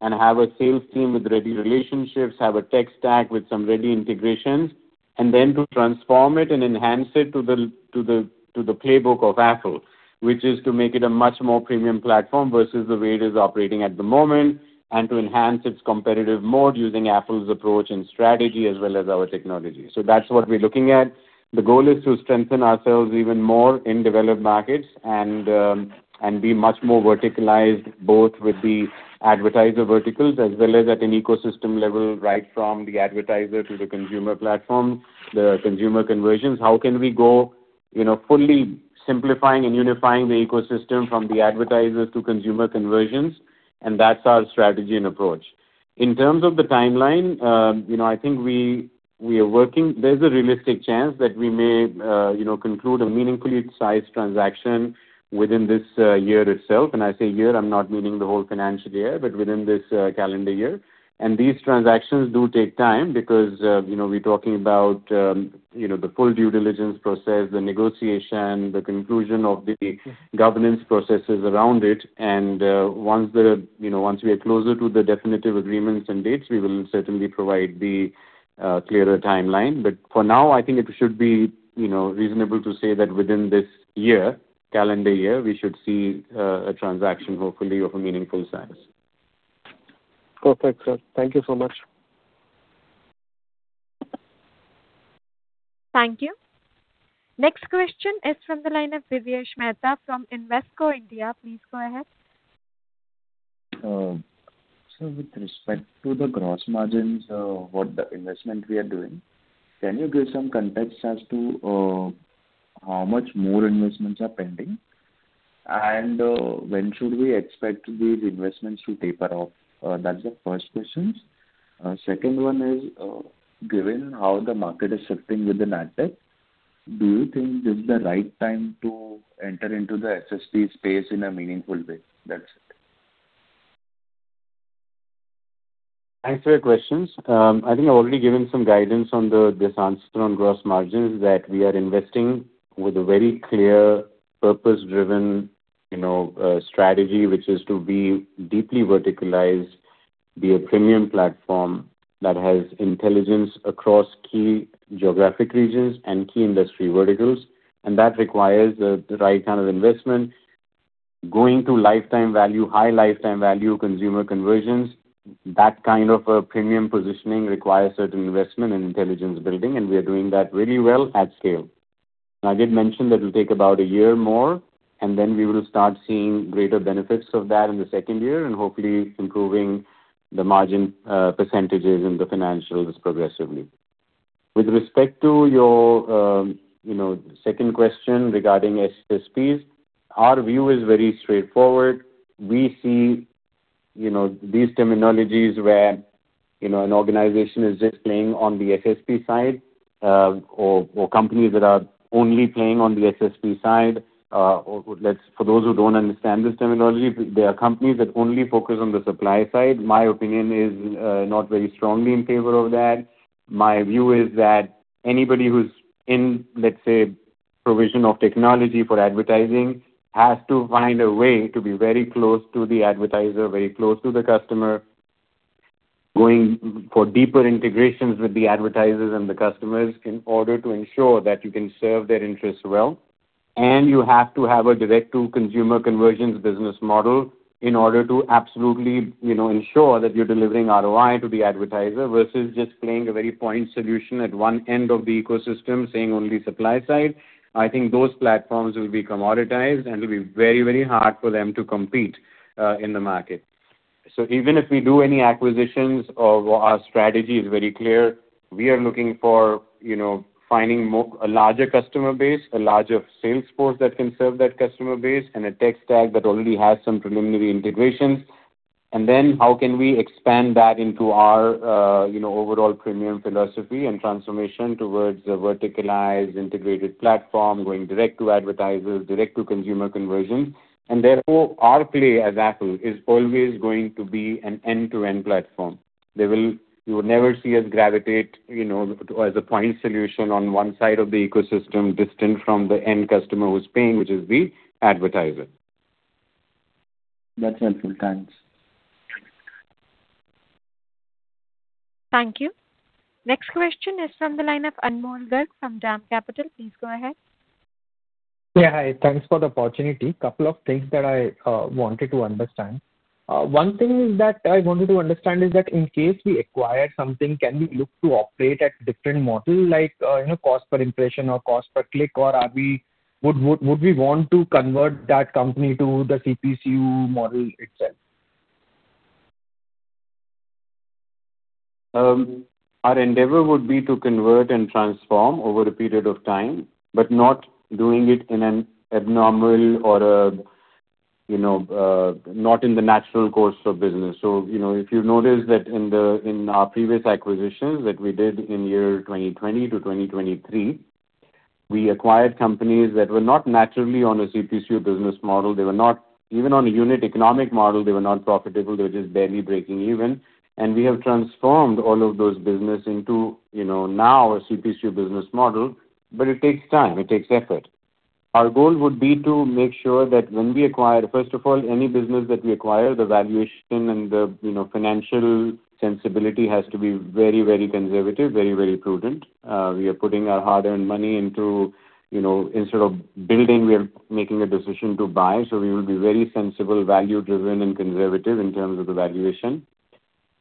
Speaker 3: and have a sales team with ready relationships, have a tech stack with some ready integrations, and then to transform it and enhance it to the playbook of Affle, which is to make it a much more premium platform versus the way it is operating at the moment, and to enhance its competitive mode using Affle's approach and strategy as well as our technology. That's what we're looking at. The goal is to strengthen ourselves even more in developed markets and be much more verticalized, both with the advertiser verticals as well as at an ecosystem level, right from the advertiser to the Consumer Platform, the consumer conversions. How can we go, you know, fully simplifying and unifying the ecosystem from the advertiser to consumer conversions. That's our strategy and approach. In terms of the timeline, you know, I think we are working. There's a realistic chance that we may, you know, conclude a meaningfully sized transaction within this year itself. I say year, I'm not meaning the whole financial year, but within this calendar year. These transactions do take time because, you know, we're talking about, you know, the full due diligence process, the negotiation, the conclusion of the governance processes around it. Once the, you know, once we are closer to the definitive agreements and dates, we will certainly provide the clearer timeline. For now, I think it should be, you know, reasonable to say that within this year, calendar year, we should see a transaction hopefully of a meaningful size.
Speaker 7: Perfect, sir. Thank you so much.
Speaker 1: Thank you. Next question is from the line of Divyesh Mehta from Invesco India. Please go ahead.
Speaker 8: With respect to the gross margins, what investment we are doing, can you give some context as to how much more investments are pending? When should we expect these investments to taper off? That's the first questions. Second one is, given how the market is shifting within ad tech, do you think this is the right time to enter into the SSP space in a meaningful way? That's it.
Speaker 3: Thanks for your questions. I think I've already given some guidance on this answer on gross margins, that we are investing with a very clear purpose-driven, you know, strategy, which is to be deeply verticalized, be a premium platform that has intelligence across key geographic regions and key industry verticals. That requires the right kind of investment. Going to lifetime value, high lifetime value consumer conversions, that kind of a premium positioning requires certain investment in intelligence building, and we are doing that really well at scale. I did mention that it'll take about one year more, and then we will start seeing greater benefits of that in the second year, and hopefully improving the margin % and the financials progressively. With respect to your, you know, second question regarding SSPs, our view is very straightforward. We see, you know, these terminologies where, you know, an organization is just playing on the SSP side, or companies that are only playing on the SSP side. For those who don't understand this terminology, they are companies that only focus on the supply side. My opinion is not very strongly in favor of that. My view is that anybody who's in, let's say, provision of technology for advertising has to find a way to be very close to the advertiser, very close to the customer, going for deeper integrations with the advertisers and the customers in order to ensure that you can serve their interests well. You have to have a direct-to-consumer conversions business model in order to absolutely, you know, ensure that you're delivering ROI to the advertiser versus just playing a very point solution at one end of the ecosystem, saying only supply side. I think those platforms will be commoditized, and it'll be very, very hard for them to compete in the market. Even if we do any acquisitions, our strategy is very clear. We are looking for, you know, finding a larger customer base, a larger sales force that can serve that customer base and a tech stack that already has some preliminary integrations. How can we expand that into our, you know, overall premium philosophy and transformation towards a verticalized, integrated platform, going direct to advertisers, direct to consumer conversions. Therefore, our play as Affle is always going to be an end-to-end platform. You will never see us gravitate, you know, as a point solution on one side of the ecosystem, distant from the end customer who's paying, which is the advertiser.
Speaker 8: That's helpful. Thanks.
Speaker 1: Thank you. Next question is from the line of Anmol Garg from DAM Capital. Please go ahead.
Speaker 9: Yeah, hi. Thanks for the opportunity. Couple of things that I wanted to understand. One thing that I wanted to understand is that in case we acquire something, can we look to operate at different model like, you know, cost per impression or cost per click? Would we want to convert that company to the CPCU model itself?
Speaker 3: Our endeavor would be to convert and transform over a period of time, not doing it in an abnormal or a, you know, not in the natural course of business. You know, if you notice that in the, in our previous acquisitions that we did in year 2020 to 2023, we acquired companies that were not naturally on a CPCU business model. They were not even on a unit economic model, they were not profitable. They were just barely breaking even. We have transformed all of those business into, you know, now a CPCU business model. It takes time, it takes effort. Our goal would be to make sure that when we acquire, first of all, any business that we acquire, the valuation and the, you know, financial sensibility has to be very, very conservative, very, very prudent. We are putting our hard-earned money into, you know, instead of building, we are making a decision to buy. We will be very sensible, value-driven, and conservative in terms of the valuation.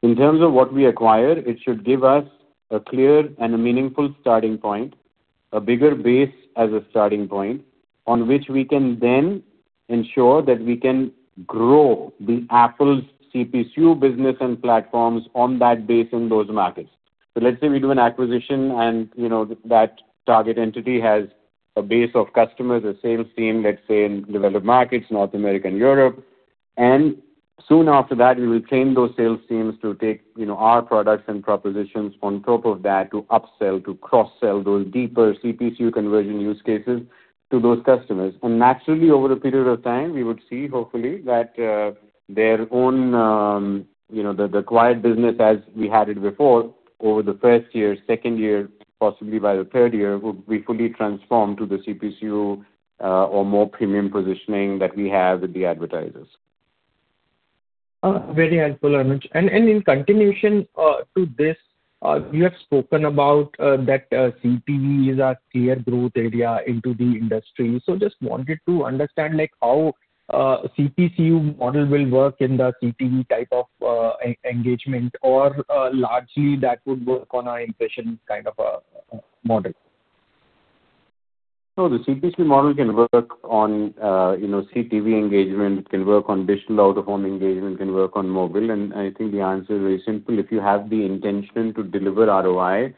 Speaker 3: In terms of what we acquire, it should give us a clear and a meaningful starting point, a bigger base as a starting point on which we can then ensure that we can grow the Affle's CPCU business and platforms on that base in those markets. Let's say we do an acquisition and, you know, that target entity has a base of customers, a sales team, let's say in developed markets, North America and Europe. Soon after that, we will train those sales teams to take, you know, our products and propositions on top of that to upsell, to cross-sell those deeper CPCU conversion use cases to those customers. Naturally, over a period of time, we would see hopefully that, you know, the acquired business as we had it before over the first year, second year, possibly by the third year, would be fully transformed to the CPCU or more premium positioning that we have with the advertisers.
Speaker 9: Very helpful, Anuj. And in continuation to this, you have spoken about that CTV is our clear growth area into the industry. Just wanted to understand, like how CPCU model will work in the CTV type of e-engagement or largely that would work on a impression kind of model?
Speaker 3: No, the CPCU model can work on, you know, CTV engagement. It can work on digital out-of-home engagement. It can work on mobile. I think the answer is very simple. If you have the intention to deliver ROI,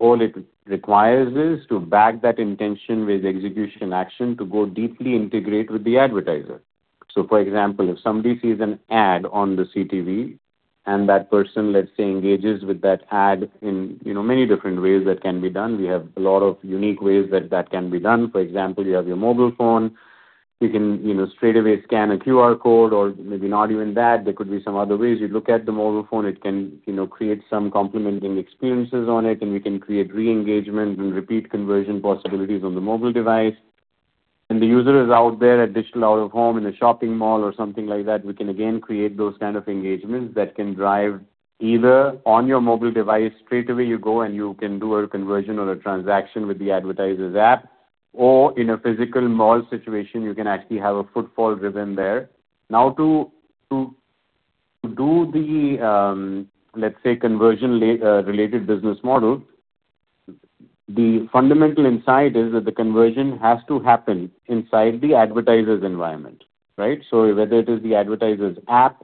Speaker 3: all it requires is to back that intention with execution action to go deeply integrate with the advertiser. For example, if somebody sees an ad on the CTV, and that person, let’s say, engages with that ad in, you know, many different ways that can be done. We have a lot of unique ways that that can be done. For example, you have your mobile phone. You can, you know, straightaway scan a QR code or maybe not even that. There could be some other ways. You look at the mobile phone, it can, you know, create some complementing experiences on it, and we can create re-engagement and repeat conversion possibilities on the mobile device. The user is out there at digital out-of-home in a shopping mall or something like that. We can again create those kind of engagements that can drive either on your mobile device straightaway you go and you can do a conversion or a transaction with the advertiser's app, or in a physical mall situation, you can actually have a footfall driven there. To do the let's say conversion related business model, the fundamental insight is that the conversion has to happen inside the advertiser's environment, right? Whether it is the advertiser's app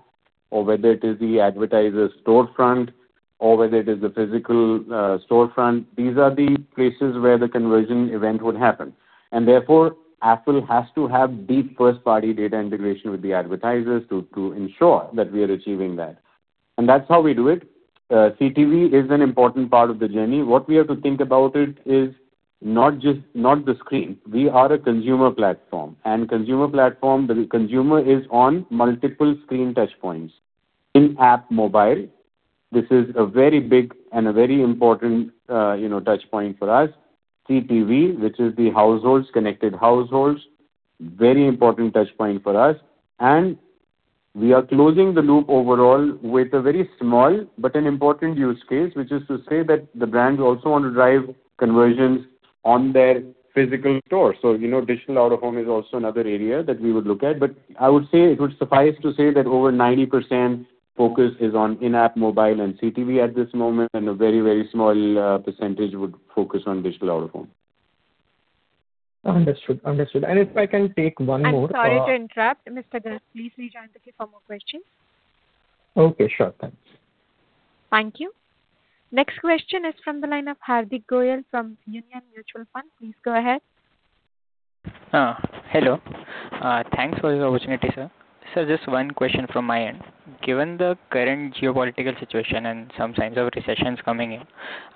Speaker 3: or whether it is the advertiser's storefront or whether it is the physical storefront, these are the places where the conversion event would happen. Therefore, Affle has to have deep first-party data integration with the advertisers to ensure that we are achieving that. That's how we do it. CTV is an important part of the journey. What we have to think about it is not just, not the screen. We are a Consumer Platform. Consumer Platform, the consumer is on multiple screen touch points. In-app mobile, this is a very big and a very important, you know, touch point for us. CTV, which is the households, connected households, very important touch point for us. We are closing the loop overall with a very small but an important use case, which is to say that the brands also want to drive conversions on their physical store. You know, digital out-of-home is also another area that we would look at. I would say it would suffice to say that over 90% focus is on in-app mobile and CTV at this moment, and a very, very small percentage would focus on digital out-of-home.
Speaker 9: Understood. Understood. If I can take one more.
Speaker 1: I'm sorry to interrupt. Mr. Garg, please rejoin the queue for more questions.
Speaker 9: Okay, sure. Thanks.
Speaker 1: Thank you. Next question is from the line of Hardik Goyal from Union Mutual Fund. Please go ahead.
Speaker 10: Hello. Thanks for the opportunity, sir. Sir, just one question from my end. Given the current geopolitical situation and some signs of recessions coming in,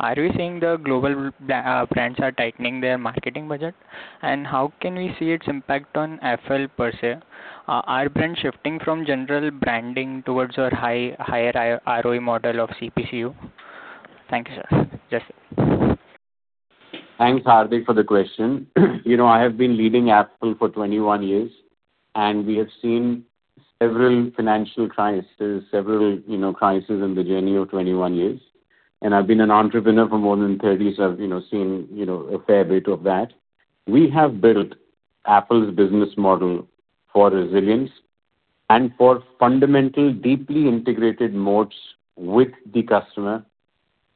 Speaker 10: are we seeing the global brands are tightening their marketing budget? How can we see its impact on Affle per se? Are brands shifting from general branding towards your higher ROI model of CPCU? Thank you, sir. Yes.
Speaker 3: Thanks, Hardik, for the question. You know, I have been leading Affle for 21 years, and we have seen several financial crises, several, you know, crises in the journey of 21 years. I've been an entrepreneur for more than 30, so I've, you know, seen, you know, a fair bit of that. We have built Affle's business model for resilience and for fundamental, deeply integrated moats with the customer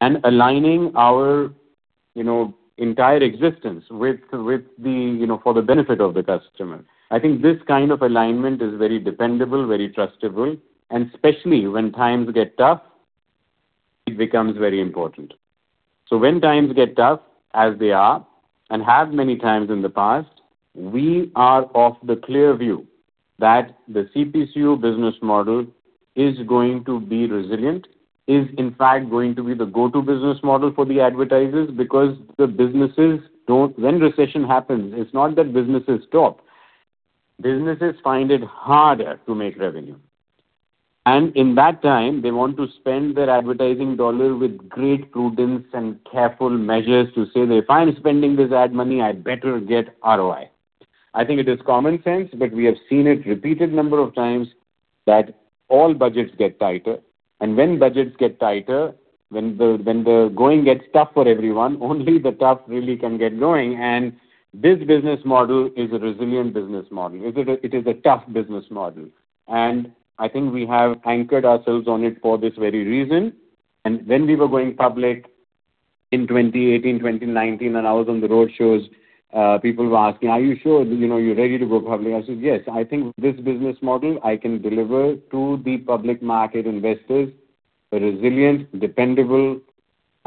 Speaker 3: and aligning our, you know, entire existence with the, you know, for the benefit of the customer. I think this kind of alignment is very dependable, very trustworthy, and especially when times get tough, it becomes very important. When times get tough, as they are, and have many times in the past, we are of the clear view that the CPCU business model is going to be resilient, is in fact going to be the go-to business model for the advertisers because when recession happens, it is not that businesses stop. Businesses find it harder to make revenue. In that time, they want to spend their advertising dollar with great prudence and careful measures to say that, "If I am spending this ad money, I better get ROI." I think it is common sense, we have seen it repeated number of times that all budgets get tighter. When budgets get tighter, when the going gets tough for everyone, only the tough really can get going. This business model is a resilient business model. It is a tough business model. I think we have anchored ourselves on it for this very reason. When we were going public in 2018, 2019, and I was on the roadshows, people were asking, "Are you sure, you know, you're ready to go public?" I said, "Yes, I think this business model I can deliver to the public market investors A resilient, dependable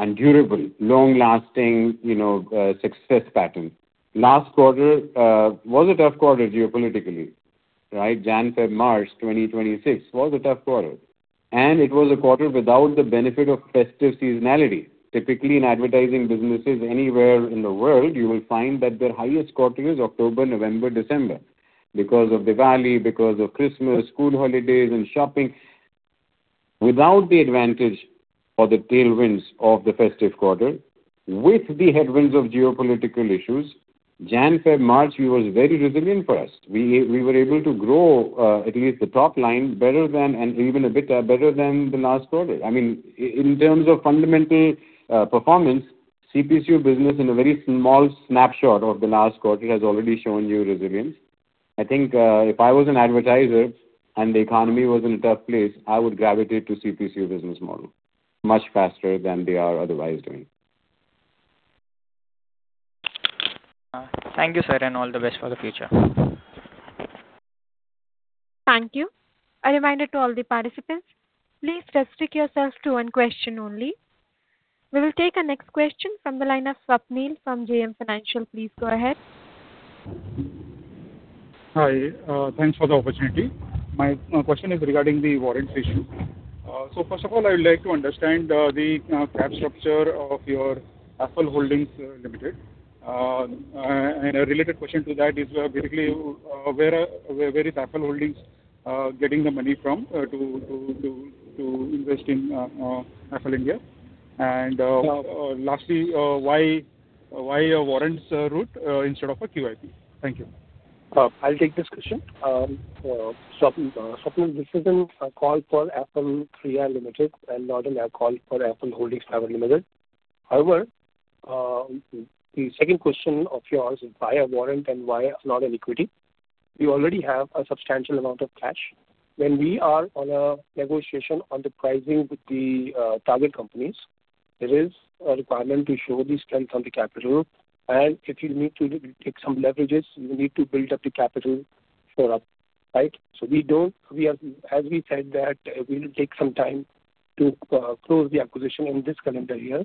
Speaker 3: and durable, long-lasting, you know, success pattern. Last quarter was a tough quarter geopolitically, right? Jan, Feb, March 2026 was a tough quarter, and it was a quarter without the benefit of festive seasonality. Typically, in advertising businesses anywhere in the world, you will find that their highest quarter is October, November, December because of Diwali, because of Christmas, school holidays and shopping. Without the advantage or the tailwinds of the festive quarter, with the headwinds of geopolitical issues, Jan, Feb, March, we was very resilient for us. We were able to grow, at least the top line better than, and even a bit better than the last quarter. I mean in terms of fundamental performance, CPCU business in a very small snapshot of the last quarter has already shown you resilience. I think, if I was an advertiser and the economy was in a tough place, I would gravitate to CPCU business model much faster than they are otherwise doing.
Speaker 10: Thank you, sir, and all the best for the future.
Speaker 1: Thank you. A reminder to all the participants, please restrict yourselves to one question only. We will take our next question from the line of Swapnil from JM Financial. Please go ahead.
Speaker 11: Hi. Thanks for the opportunity. My question is regarding the warrants issue. First of all, I would like to understand the cap structure of your Affle Holdings Limited. A related question to that is, basically, where is Affle Holdings getting the money from to invest in Affle India? Lastly, why a warrants route instead of a QIP? Thank you.
Speaker 4: I'll take this question. Swapnil, this is a call for Affle 3i Limited and not a call for Affle Holdings Private Limited. However, the second question of yours is why a warrant and why not an equity. We already have a substantial amount of cash. When we are on a negotiation on the pricing with the target companies, it is a requirement to show the strength on the capital. If you need to take some leverages, you need to build up the capital for up, right? As we said that we'll take some time to close the acquisition in this calendar year.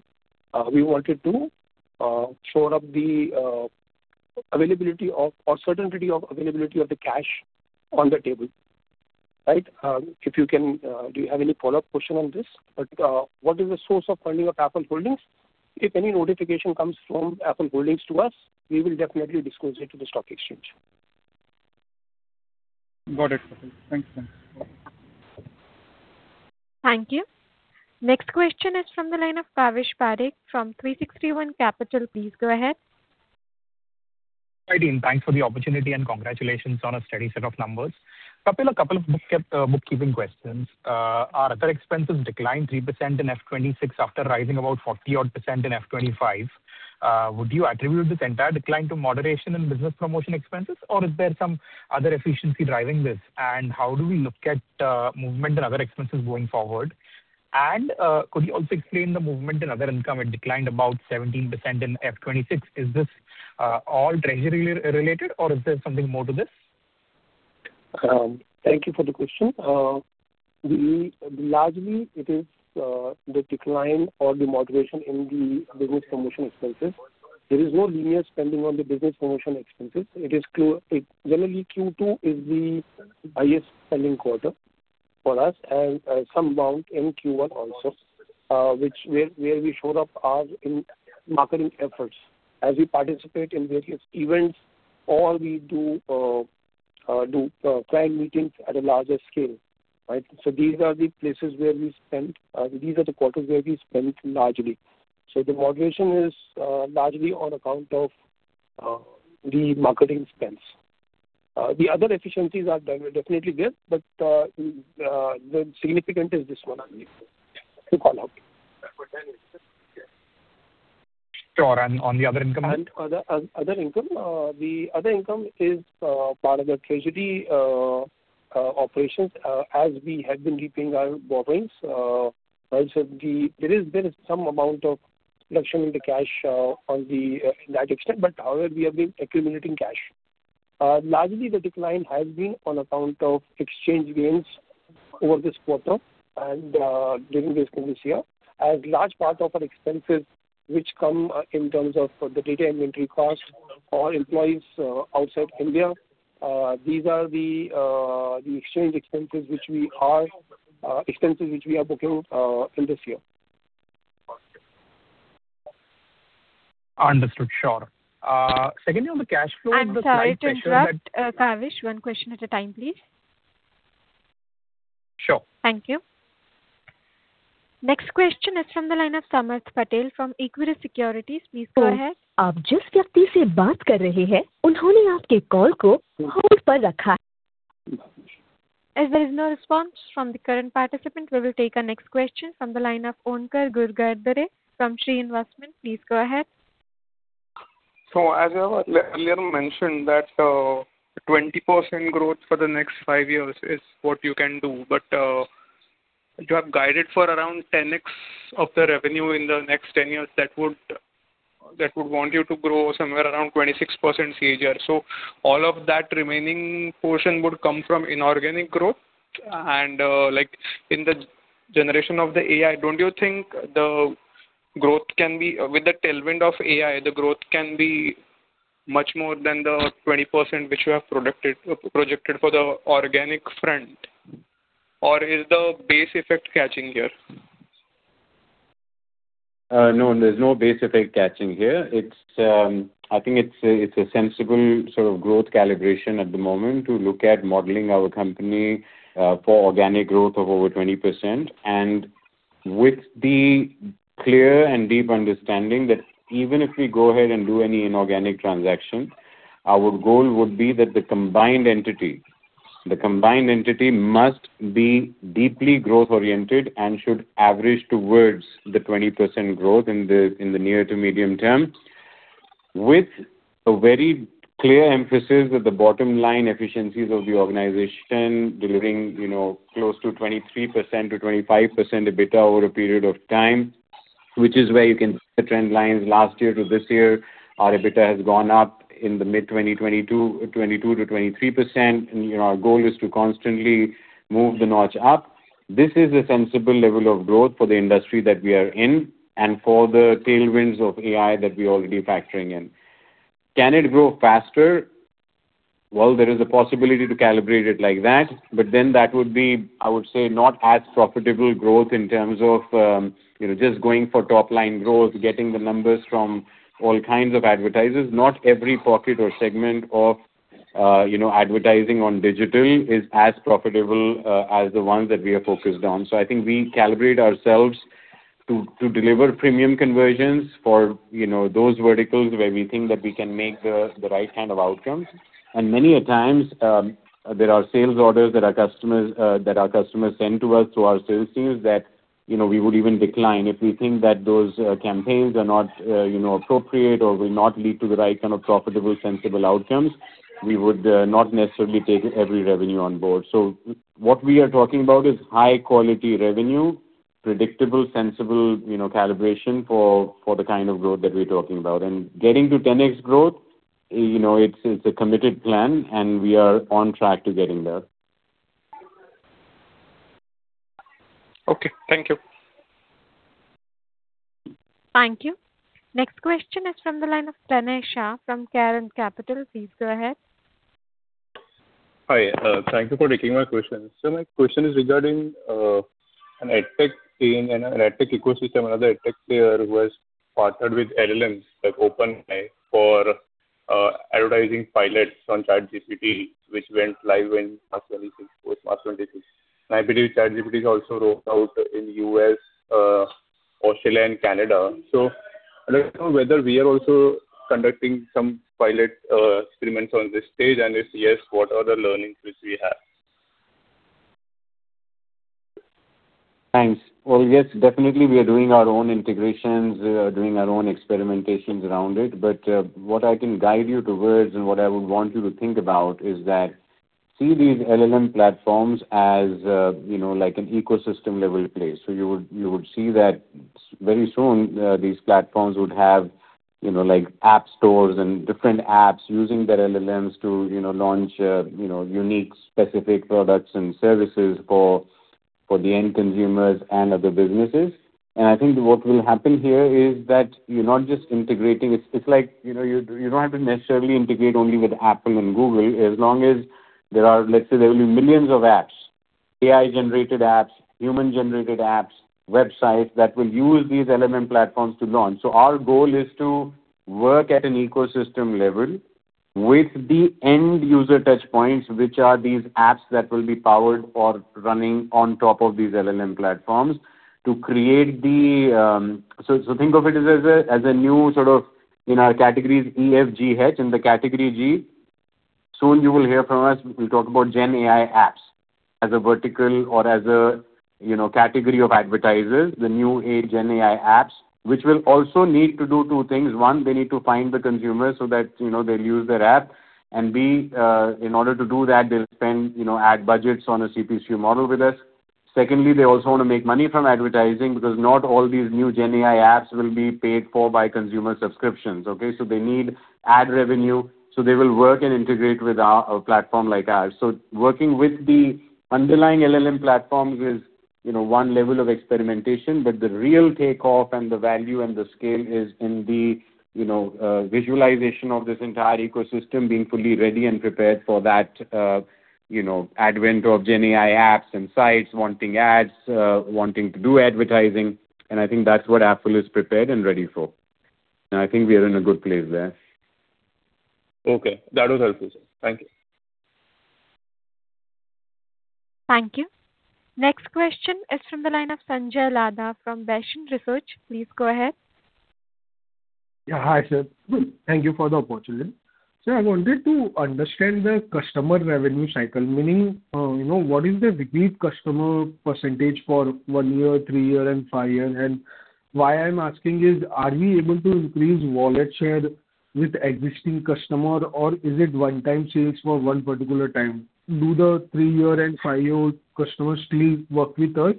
Speaker 4: We wanted to shore up the availability of or certainty of availability of the cash on the table, right? If you can- Do you have any follow-up question on this? What is the source of funding of Affle Holdings? If any notification comes from Affle Holdings to us, we will definitely disclose it to the stock exchange.
Speaker 11: Got it. Thank you.
Speaker 1: Thank you. Next question is from the line of Kavish Parekh from 360 One Capital. Please go ahead.
Speaker 12: Hi, team. Thanks for the opportunity, and congratulations on a steady set of numbers. Kapil, a couple of bookkeeping questions. Our other expenses declined 3% in F 2026 after rising about 40% odd in F 2025. Would you attribute this entire decline to moderation in business promotion expenses, or is there some other efficiency driving this? How do we look at movement in other expenses going forward? Could you also explain the movement in other income? It declined about 17% in F 2026. Is this all treasury-related, or is there something more to this?
Speaker 4: Thank you for the question. Largely it is the decline or the moderation in the business promotion expenses. There is no linear spending on the business promotion expenses. Generally, Q2 is the highest spending quarter for us and some amount in Q1 also, which where we showed up our in marketing efforts as we participate in various events or we do client meetings at a larger scale, right? These are the places where we spend. These are the quarters where we spend largely. The moderation is largely on account of the marketing spends. The other efficiencies are definitely there, but the significant is this one only to follow up.
Speaker 12: Sure. On the other income?
Speaker 4: Other, other income. The other income is part of the treasury operations as we have been repaying our borrowings. Right. There is some amount of reduction in the cash on the in that extent, but however, we have been accumulating cash. Largely the decline has been on account of exchange gains over this quarter and during this, in this year. Large part of our expenses which come in terms of the data inventory cost or employees outside India, these are the exchange expenses which we are booking in this year.
Speaker 12: Understood. Sure. Secondly on the cash flow-
Speaker 1: I'm sorry to interrupt, Kavish. One question at a time, please.
Speaker 12: Sure.
Speaker 1: Thank you. Next question is from the line of Samarth Patel from Equirus Securities. Please go ahead. As there is no response from the current participant, we will take our next question from the line of Onkar Ghugardare from Shree Investments. Please go ahead.
Speaker 13: As you have earlier mentioned that 20% growth for the next five years is what you can do. You have guided for around 10X of the revenue in the next 10 years. That would want you to grow somewhere around 26% CAGR. All of that remaining portion would come from inorganic growth. Like in the generation of the AI, don't you think the growth can be With the tailwind of AI, the growth can be much more than the 20% which you have projected for the organic front? Is the base effect catching here?
Speaker 3: No, there's no base effect catching here. I think it's a sensible sort of growth calibration at the moment to look at modeling our company for organic growth of over 20%. With the clear and deep understanding that even if we go ahead and do any inorganic transaction, our goal would be that the combined entity must be deeply growth-oriented and should average towards the 20% growth in the near to medium term, with a very clear emphasis that the bottom line efficiencies of the organization delivering, you know, close to 23%-25% EBITDA over a period of time, which is where you can see the trend lines last year to this year, our EBITDA has gone up in the mid-22% to 23%. You know, our goal is to constantly move the notch up. This is a sensible level of growth for the industry that we are in and for the tailwinds of AI that we are already factoring in. Can it grow faster? There is a possibility to calibrate it like that, but then that would be, I would say, not as profitable growth in terms of, you know, just going for top-line growth, getting the numbers from all kinds of advertisers. Not every pocket or segment of, you know, advertising on digital is as profitable as the ones that we are focused on. I think we calibrate ourselves to deliver premium conversions for, you know, those verticals where we think that we can make the right kind of outcomes. Many a times, there are sales orders that our customers send to us through our sales teams that, you know, we would even decline. If we think that those campaigns are not, you know, appropriate or will not lead to the right kind of profitable, sensible outcomes, we would not necessarily take every revenue on board. What we are talking about is high-quality revenue, predictable, sensible, you know, calibration for the kind of growth that we're talking about. Getting to 10X growth, you know, it's a committed plan, and we are on track to getting there.
Speaker 13: Okay. Thank you.
Speaker 1: Thank you. Next question is from the line of Tanay Shah from Carnelian Capital. Please go ahead.
Speaker 14: Hi. Thank you for taking my question. My question is regarding an ad tech scene and an ad tech ecosystem. Another ad tech player who has partnered with LLMs, like OpenAI, for advertising pilots on ChatGPT, which went live in March 26. It was March 26. I believe ChatGPT has also rolled out in U.S., Australia and Canada. I'd like to know whether we are also conducting some pilot experiments on this stage. If yes, what are the learnings which we have?
Speaker 3: Thanks. Well, yes, definitely we are doing our own integrations. We are doing our own experimentations around it. What I can guide you towards and what I would want you to think about is that see these LLM platforms as, you know, like an ecosystem-level play. You would see that very soon, these platforms would have, you know, like app stores and different apps using their LLMs to, you know, launch, unique specific products and services for the end consumers and other businesses. I think what will happen here is that you're not just integrating. It's like, you know, you don't have to necessarily integrate only with Affle and Google. As long as there are, let's say there will be millions of apps, AI-generated apps, human-generated apps, websites that will use these LLM platforms to launch. Our goal is to work at an ecosystem level with the end user touchpoints, which are these apps that will be powered or running on top of these LLM platforms. Think of it as a new sort of, you know, categories E, F, G, H. In the category G, soon you will hear from us. We'll talk about GenAI apps as a vertical or as a, you know, category of advertisers, the new age GenAI apps, which will also need to do two things. One, they need to find the consumer so that, you know, they'll use their app. B, in order to do that, they'll spend, you know, ad budgets on a CPC model with us. Secondly, they also wanna make money from advertising because not all these new GenAI apps will be paid for by consumer subscriptions, okay? They need ad revenue, so they will work and integrate with a platform like ours. Working with the underlying LLM platforms is, you know, one level of experimentation, but the real takeoff and the value and the scale is in the, you know, visualization of this entire ecosystem being fully ready and prepared for that, you know, advent of GenAI apps and sites wanting ads, wanting to do advertising. I think that's what Affle is prepared and ready for. I think we are in a good place there.
Speaker 14: Okay. That was helpful, sir. Thank you.
Speaker 1: Thank you. Next question is from the line of Sanjay Lada from Vaishnav Research. Please go ahead.
Speaker 15: Yeah. Hi, sir. Thank you for the opportunity. Sir, I wanted to understand the customer revenue cycle. Meaning, you know, what is the repeat customer percentage for one year, three year and five year? Why I'm asking is, are we able to increase wallet share with existing customer or is it one-time sales for one particular time? Do the three-year and five-year customers still work with us?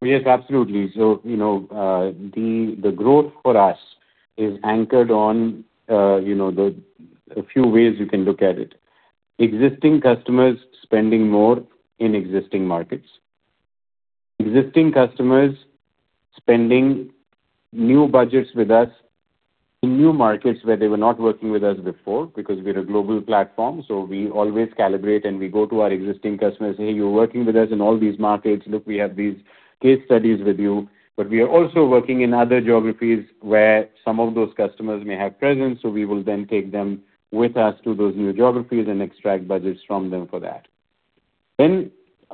Speaker 3: Yes, absolutely. You know, the growth for us is anchored on, you know, a few ways you can look at it. Existing customers spending more in existing markets. Existing customers spending new budgets with us in new markets where they were not working with us before, because we're a global platform, so we always calibrate and we go to our existing customers. "Hey, you're working with us in all these markets. Look, we have these case studies with you." We are also working in other geographies where some of those customers may have presence, so we will then take them with us to those new geographies and extract budgets from them for that.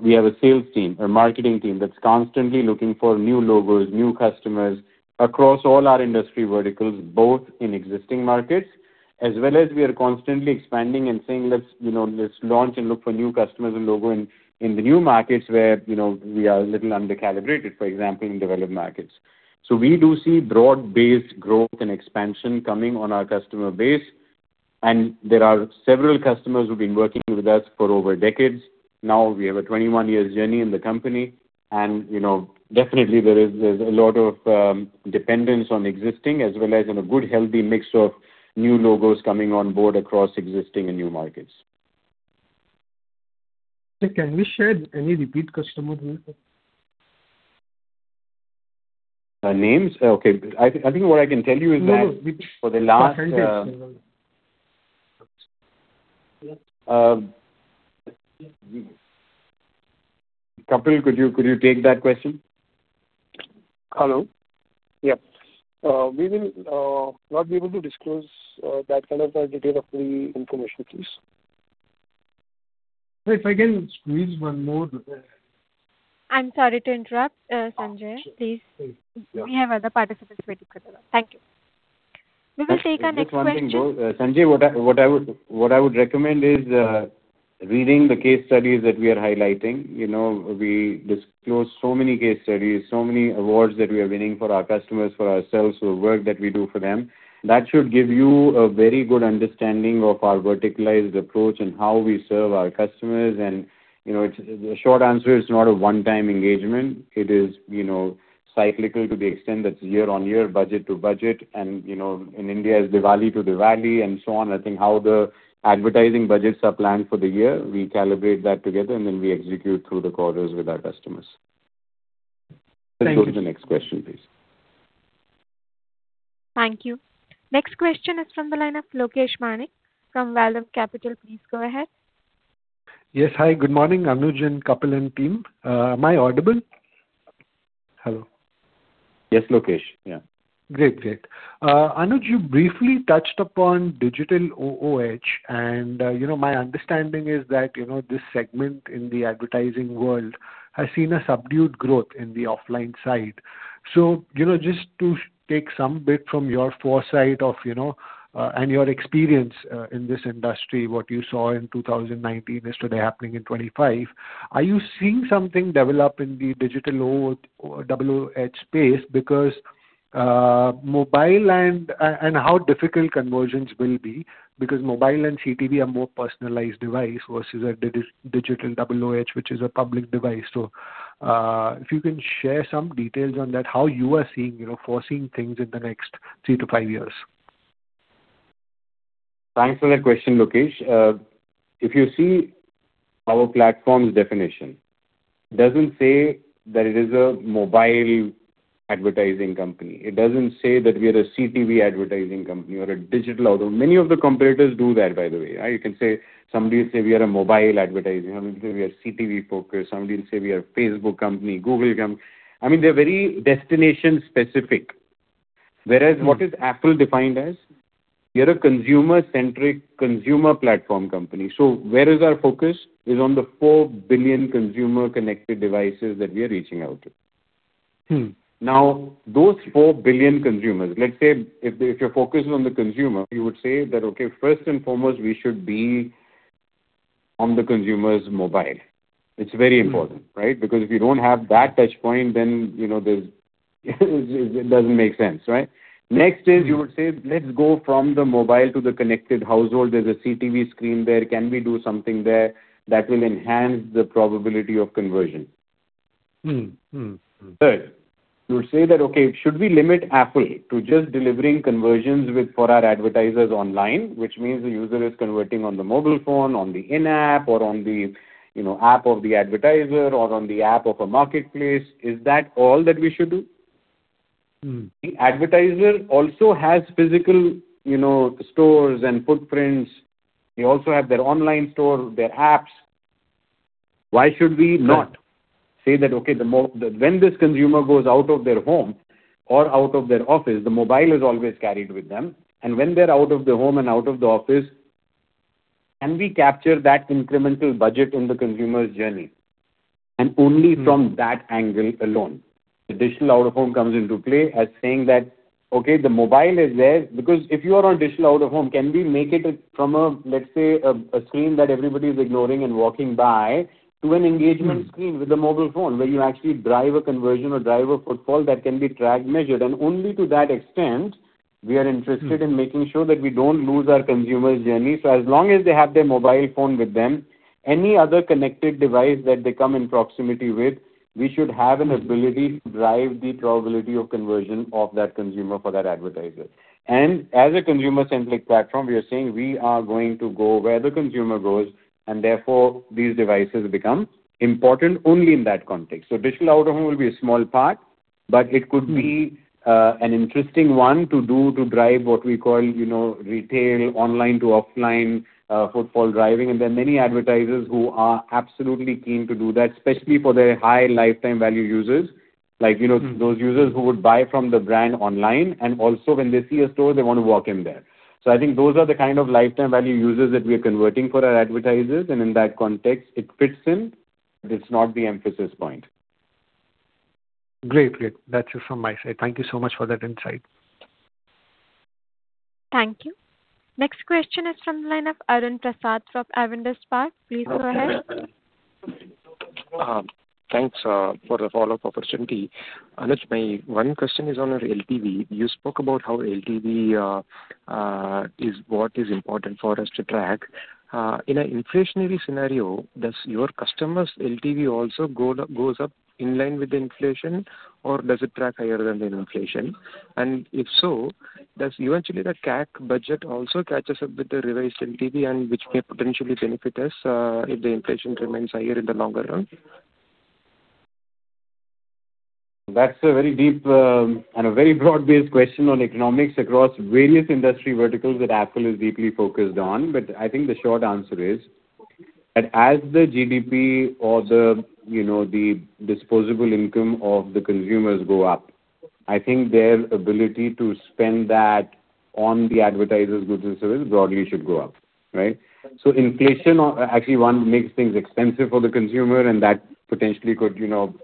Speaker 3: We have a sales team, a marketing team that's constantly looking for new logos, new customers across all our industry verticals, both in existing markets as well as we are constantly expanding and saying, "Let's, you know, let's launch and look for new customers and logo in the new markets where, you know, we are a little under-calibrated, for example, in developed markets." We do see broad-based growth and expansion coming on our customer base. There are several customers who've been working with us for over decades now. We have a 21 years journey in the company and, you know, definitely there's a lot of dependence on existing as well as on a good, healthy mix of new logos coming on board across existing and new markets.
Speaker 15: Sir, can we share any repeat customer group?
Speaker 3: Names? Okay. I think what I can tell you is that.
Speaker 15: No, repeat.
Speaker 3: Kapil, could you take that question?
Speaker 4: Hello. Yeah. We will not be able to disclose that kind of a detail of the information, please.
Speaker 15: If I can squeeze one more.
Speaker 1: I'm sorry to interrupt, Sanjay. Please.
Speaker 15: Sure. Thank you. Yeah.
Speaker 1: We have other participants waiting for turn. Thank you. We will take our next question.
Speaker 3: Just one thing, though. Sanjay, what I would recommend is reading the case studies that we are highlighting. You know, we disclose so many case studies, so many awards that we are winning for our customers, for ourselves, for work that we do for them. That should give you a very good understanding of our verticalized approach and how we serve our customers. You know, it's The short answer is not a one-time engagement. It is, you know, cyclical to the extent that year-on-year, budget to budget and, you know, in India is Diwali to Diwali and so on. I think how the advertising budgets are planned for the year, we calibrate that together, and then we execute through the quarters with our customers.
Speaker 15: Thank you.
Speaker 3: Let's go to the next question, please.
Speaker 1: Thank you. Next question is from the line of Lokesh Manik from Vallum Capital. Please go ahead.
Speaker 16: Yes. Hi, good morning, Anuj and Kapil and team. Am I audible? Hello?
Speaker 3: Yes, Lokesh. Yeah.
Speaker 16: Great. Great. Anuj, you briefly touched upon digital OOH and, you know, my understanding is that, you know, this segment in the advertising world has seen a subdued growth in the offline side. You know, just to take some bit from your foresight of, you know, and your experience in this industry, what you saw in 2019 is today happening in 2025. Are you seeing something develop in the digital OOH space? Mobile and how difficult conversions will be because mobile and CTV are more personalized device versus a digital OOH, which is a public device. If you can share some details on that, how you are seeing, you know, foreseeing things in the next three to five years.
Speaker 3: Thanks for that question, Lokesh. If you see our platform's definition doesn't say that it is a mobile advertising company. It doesn't say that we are a CTV advertising company or a digital, although many of the competitors do that, by the way. You can say somebody will say we are a mobile advertising. Somebody will say we are CTV focused. Somebody will say we are a Facebook company, Google company. I mean, they're very destination specific. What is Affle defined as? We are a consumer-centric Consumer Platform company. Where is our focus? Is on the 4 billion consumer connected devices that we are reaching out to. Those 4 billion consumers, let's say if you're focusing on the consumer, you would say that, okay, first and foremost, we should be on the consumer's mobile. It's very important, right? If you don't have that touch point, then you know, it doesn't make sense, right? Next is you would say, let's go from the mobile to the connected household. There's a CTV screen there. Can we do something there that will enhance the probability of conversion? Third, you would say that, okay, should we limit Affle to just delivering conversions with for our advertisers online, which means the user is converting on the mobile phone, on the in-app or on the, you know, app of the advertiser or on the app of a marketplace. Is that all that we should do? The advertiser also has physical, you know, stores and footprints. They also have their online store, their apps. Why should we not say that, okay, when this consumer goes out of their home or out of their office, the mobile is always carried with them, and when they're out of the home and out of the office, can we capture that incremental budget in the consumer's journey? Only from that angle alone. The digital out-of-home comes into play as saying that, okay, the mobile is there. If you are on digital out-of-home, can we make it from a, let's say, a screen that everybody is ignoring and walking by to an engagement screen with a mobile phone where you actually drive a conversion or drive a footfall that can be tracked, measured, and only to that extent, we are interested in making sure that we don't lose our consumer's journey. As long as they have their mobile phone with them, any other connected device that they come in proximity with, we should have an ability to drive the probability of conversion of that consumer for that advertiser. As a consumer-centric platform, we are saying we are going to go where the consumer goes, and therefore these devices become important only in that context. Digital out-of-home will be a small part, but it could be an interesting one to do to drive what we call, you know, retail online to offline footfall driving. There are many advertisers who are absolutely keen to do that, especially for their high lifetime value users, like, you know, those users who would buy from the brand online and also when they see a store, they want to walk in there. I think those are the kind of lifetime value users that we are converting for our advertisers, and in that context it fits in. It's not the emphasis point.
Speaker 16: Great. That's it from my side. Thank you so much for that insight.
Speaker 1: Thank you. Next question is from the line of Arun Prasad from Avendus Spark. Please go ahead.
Speaker 5: Thanks for the follow-up opportunity. Anuj, my one question is on your LTV. You spoke about how LTV is what is important for us to track. In an inflationary scenario, does your customers' LTV also go up, goes up in line with the inflation or does it track higher than the inflation? If so, does eventually the CAC budget also catches up with the revised LTV and which may potentially benefit us if the inflation remains higher in the longer run?
Speaker 3: That's a very deep and a very broad-based question on economics across various industry verticals that Affle is deeply focused on. I think the short answer is that as the GDP or the, you know, the disposable income of the consumers go up, I think their ability to spend that on the advertisers' goods and services broadly should go up, right? Inflation, actually one makes things expensive for the consumer, and that potentially could, you know,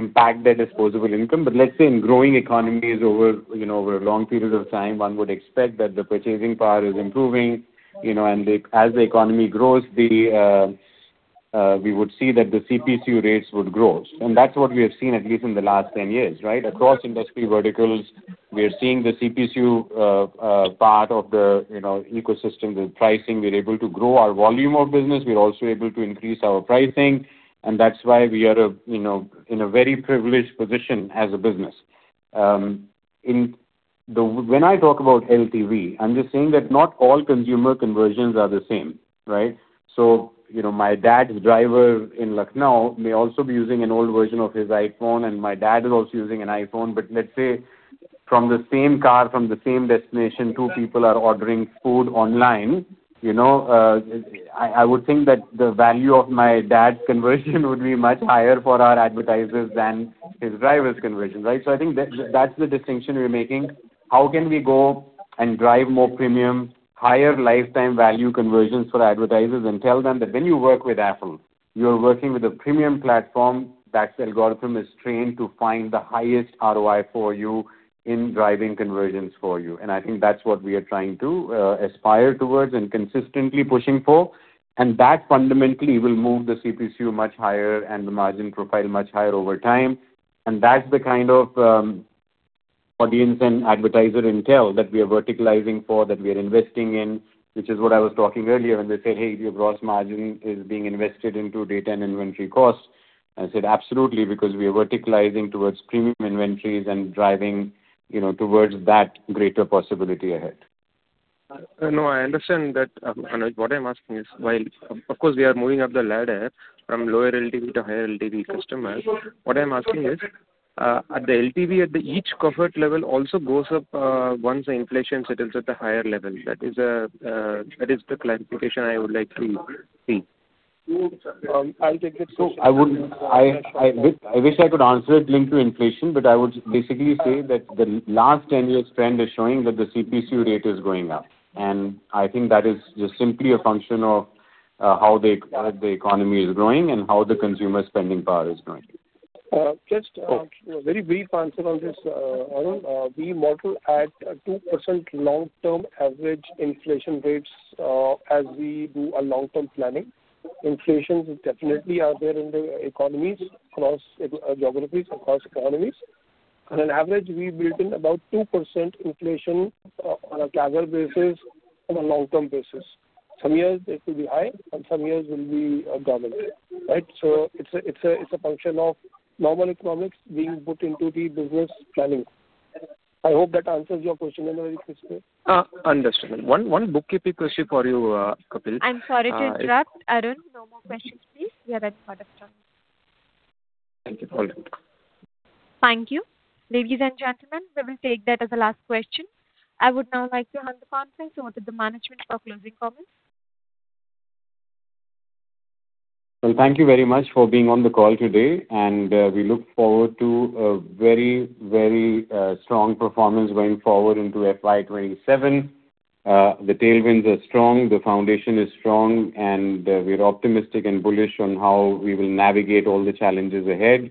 Speaker 3: impact their disposable income. Let's say in growing economies over, you know, over long periods of time, one would expect that the purchasing power is improving, you know, and as the economy grows, we would see that the CPC rates would grow. That's what we have seen at least in the last 10 years, right? Across industry verticals, we are seeing the CPC part of the, you know, ecosystem, the pricing. We're able to grow our volume of business. We're also able to increase our pricing, and that's why we are, you know, in a very privileged position as a business. When I talk about LTV, I'm just saying that not all consumer conversions are the same, right? You know, my dad's driver in Lucknow may also be using an old version of his iPhone, and my dad is also using an iPhone. Let's say from the same car, from the same destination, two people are ordering food online. You know, I would think that the value of my dad's conversion would be much higher for our advertisers than his driver's conversion, right? I think that's the distinction we're making. How can we go and drive more premium, higher lifetime value conversions for advertisers and tell them that when you work with Affle, you're working with a premium platform that's algorithm is trained to find the highest ROI for you in driving conversions for you. I think that's what we are trying to aspire towards and consistently pushing for, that fundamentally will move the CPC much higher and the margin profile much higher over time. That's the kind of audience and advertiser intel that we are verticalizing for, that we are investing in, which is what I was talking earlier when they said, "Hey, your gross margin is being invested into data and inventory costs." I said, "Absolutely, because we are verticalizing towards premium inventories and driving, you know, towards that greater possibility ahead.
Speaker 5: No, I understand that, Anuj. What I'm asking is, while of course we are moving up the ladder from lower LTV to higher LTV customers, what I'm asking is, at the LTV at the each comfort level also goes up, once the inflation settles at the higher level. That is the clarification I would like to see.
Speaker 4: I'll take that question.
Speaker 3: I wish I could answer it linked to inflation, but I would basically say that the last 10-year trend is showing that the CPC rate is going up. I think that is just simply a function of how the economy is growing and how the consumer spending power is growing.
Speaker 4: Just a very brief answer on this, Arun. We model at a 2% long-term average inflation rates as we do our long-term planning. Inflation is definitely out there in the economies across geographies, across economies. On an average, we build in about 2% inflation on a casual basis, on a long-term basis. Some years it will be high and some years will be government, right? It's a function of normal economics being put into the business planning. I hope that answers your question in a very crisp way.
Speaker 5: Understood. One bookkeeping question for you, Kapil.
Speaker 1: I'm sorry to interrupt, Arun. No more questions, please. We are at quarter turn.
Speaker 5: Thank you. All good.
Speaker 1: Thank you. Ladies and gentlemen, we will take that as the last question. I would now like to hand the conference over to the management for closing comments.
Speaker 3: Well, thank you very much for being on the call today. We look forward to a very, very strong performance going forward into FY 2027. The tailwinds are strong, the foundation is strong. We're optimistic and bullish on how we will navigate all the challenges ahead,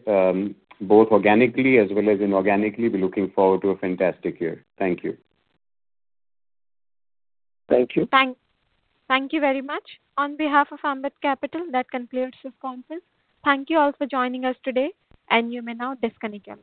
Speaker 3: both organically as well as inorganically. We're looking forward to a fantastic year. Thank you.
Speaker 4: Thank you.
Speaker 1: Thank you very much. On behalf of Ambit Capital, that concludes this conference. Thank you all for joining us today, and you may now disconnect your lines.